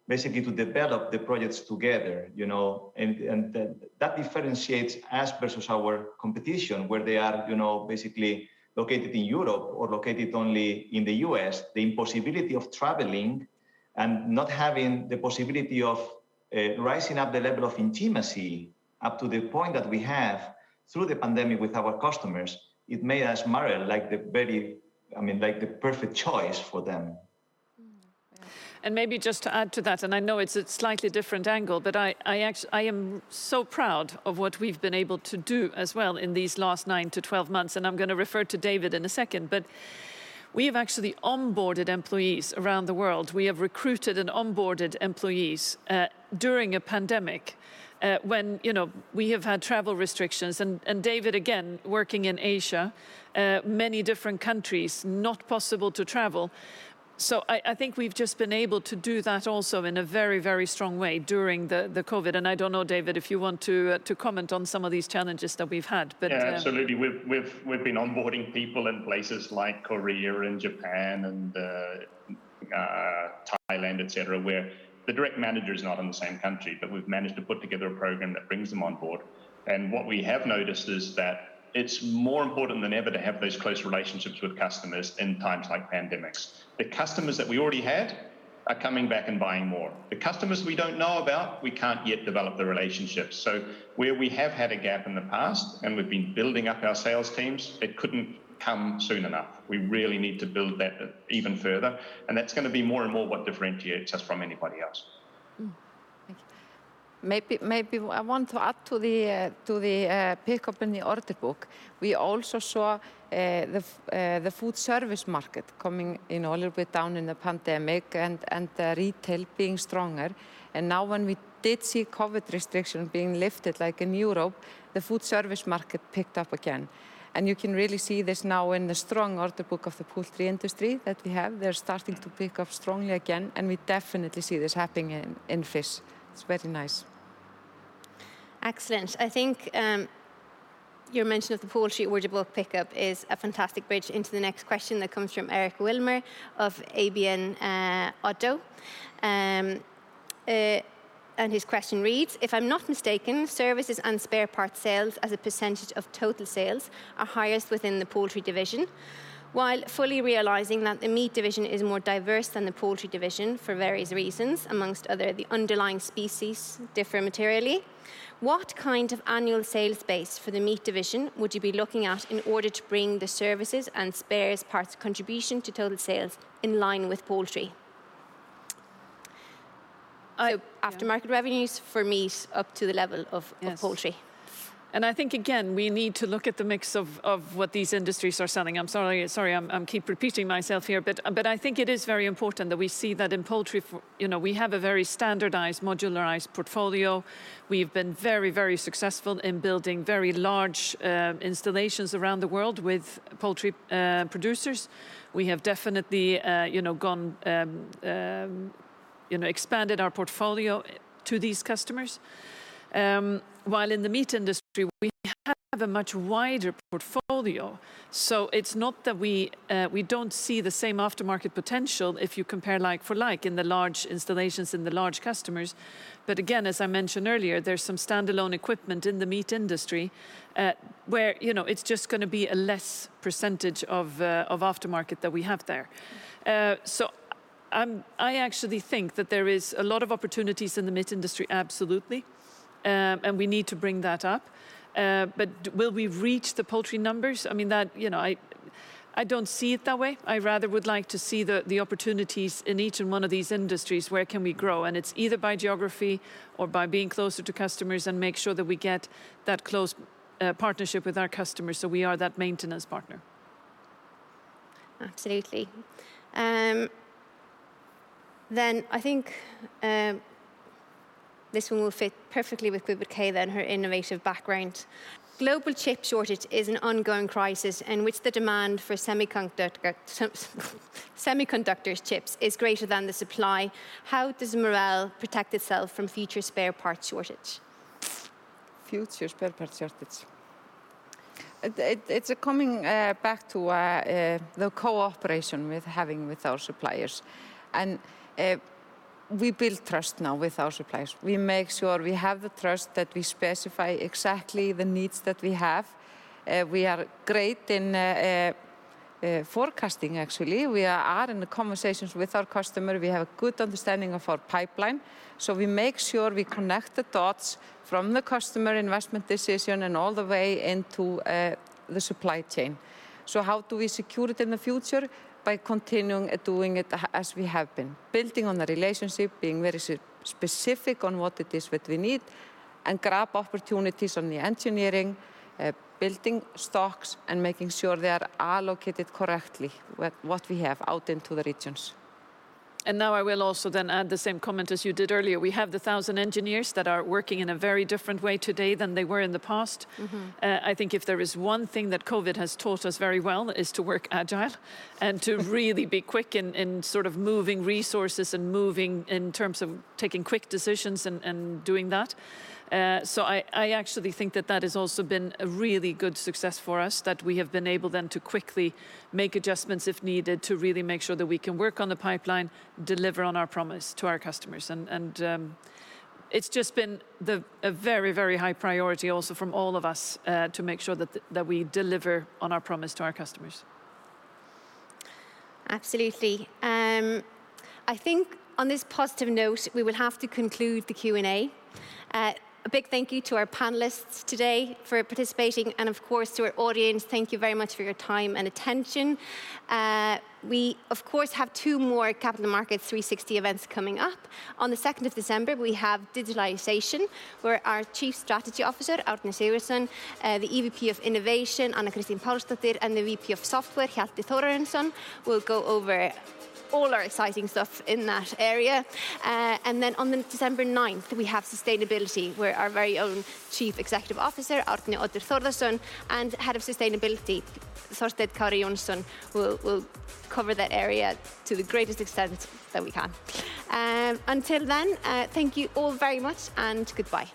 basically to develop the projects together, you know, and that differentiates us versus our competition where they are, you know, basically located in Europe or located only in the U.S., the impossibility of traveling and not having the possibility of rising up the level of intimacy up to the point that we have through the pandemic with our customers, it made us Marel like the very, I mean, like the perfect choice for them.
Maybe just to add to that, and I know it's a slightly different angle, but I am so proud of what we've been able to do as well in these last nine to 12 months, and I'm gonna refer to David in a second. We have actually onboarded employees around the world. We have recruited and onboarded employees during a pandemic, when, you know, we have had travel restrictions, and David, again, working in Asia, many different countries, not possible to travel. I think we've just been able to do that also in a very, very strong way during the COVID, and I don't know, David, if you want to comment on some of these challenges that we've had.
Yeah, absolutely. We've been onboarding people in places like Korea and Japan and Thailand, et cetera, where the direct manager is not in the same country, but we've managed to put together a program that brings them on board. What we have noticed is that it's more important than ever to have those close relationships with customers in times like pandemics. The customers that we already had are coming back and buying more. The customers we don't know about, we can't yet develop the relationships. Where we have had a gap in the past, and we've been building up our sales teams, it couldn't come soon enough. We really need to build that even further, and that's gonna be more and more what differentiates us from anybody else.
Thank you.
Maybe one to add to the pickup in the order book. We also saw the food service market coming, you know, a little bit down in the pandemic and retail being stronger. Now when we did see COVID restriction being lifted, like in Europe, the food service market picked up again. You can really see this now in the strong order book of the poultry industry that we have. They're starting to pick up strongly again, and we definitely see this happening in fish. It's very nice.
Excellent. I think your mention of the poultry order book pickup is a fantastic bridge into the next question that comes from Eric Wilmer of ABN AMRO Oddo. His question reads, "If I'm not mistaken, services and spare parts sales as a percentage of total sales are highest within the poultry division. While fully realizing that the meat division is more diverse than the poultry division for various reasons, among other, the underlying species differ materially, what kind of annual sales base for the meat division would you be looking at in order to bring the services and spare parts contribution to total sales in line with poultry? Aftermarket revenues for meat up to the level of-
Yes.
...poultry.
I think, again, we need to look at the mix of what these industries are selling. I'm sorry, I keep repeating myself here, but I think it is very important that we see that in poultry, you know, we have a very standardized modularized portfolio. We've been very successful in building very large installations around the world with poultry producers. We have definitely, you know, expanded our portfolio to these customers. While in the meat industry we have a much wider portfolio, so it's not that we don't see the same aftermarket potential if you compare like for like in the large installations and the large customers. Again, as I mentioned earlier, there's some standalone equipment in the meat industry, where, you know, it's just gonna be a less percentage of aftermarket that we have there. I actually think that there is a lot of opportunities in the meat industry, absolutely. We need to bring that up. Will we reach the poultry numbers? I mean, that, you know, I don't see it that way. I rather would like to see the opportunities in each one of these industries where can we grow, and it's either by geography or by being closer to customers and make sure that we get that close partnership with our customers so we are that maintenance partner.
Absolutely. I think this one will fit perfectly with Gudbjörg Heiða Guðmundsdóttir and her innovative background. Global chip shortage is an ongoing crisis in which the demand for semiconductor chips is greater than the supply. How does Marel protect itself from future spare parts shortage?
Future spare parts shortage. It's coming back to the cooperation we have with our suppliers, and we build trust now with our suppliers. We make sure we have the trust that we specify exactly the needs that we have. We are great in forecasting actually. We are in the conversations with our customer. We have a good understanding of our pipeline, so we make sure we connect the dots from the customer investment decision and all the way into the supply chain. How do we secure it in the future? By continuing, doing it as we have been, building on the relationship, being very specific on what it is that we need, and grab opportunities on the engineering, building stocks, and making sure they are allocated correctly with what we have out into the regions.
Now I will also then add the same comment as you did earlier. We have 1,000 engineers that are working in a very different way today than they were in the pas I think if there is one thing that COVID has taught us very well is to work agile and to really be quick in sort of moving resources and moving in terms of taking quick decisions and doing that. I actually think that has also been a really good success for us, that we have been able then to quickly make adjustments if needed to really make sure that we can work on the pipeline, deliver on our promise to our customers. It's just been a very, very high priority also from all of us to make sure that we deliver on our promise to our customers.
Absolutely. I think on this positive note, we will have to conclude the Q&A. A big thank you to our panelists today for participating, and of course to our audience, thank you very much for your time and attention. We of course have two more Capital Markets 360 events coming up. On the December 2nd, we have Digitalization, where our Chief Strategy Officer, Árni Sigurðsson, the EVP of Innovation, Anna Kristín Pálsdóttir, and the VP of Software, Hjalti Þórarinsson, will go over all our exciting stuff in that area. On December 9th, we have Sustainability, where our very own Chief Executive Officer, Árni Oddur Þórðarson, and Head of Sustainability, Þórsteinn Kári Jónsson, will cover that area to the greatest extent that we can. Until then, thank you all very much and goodbye.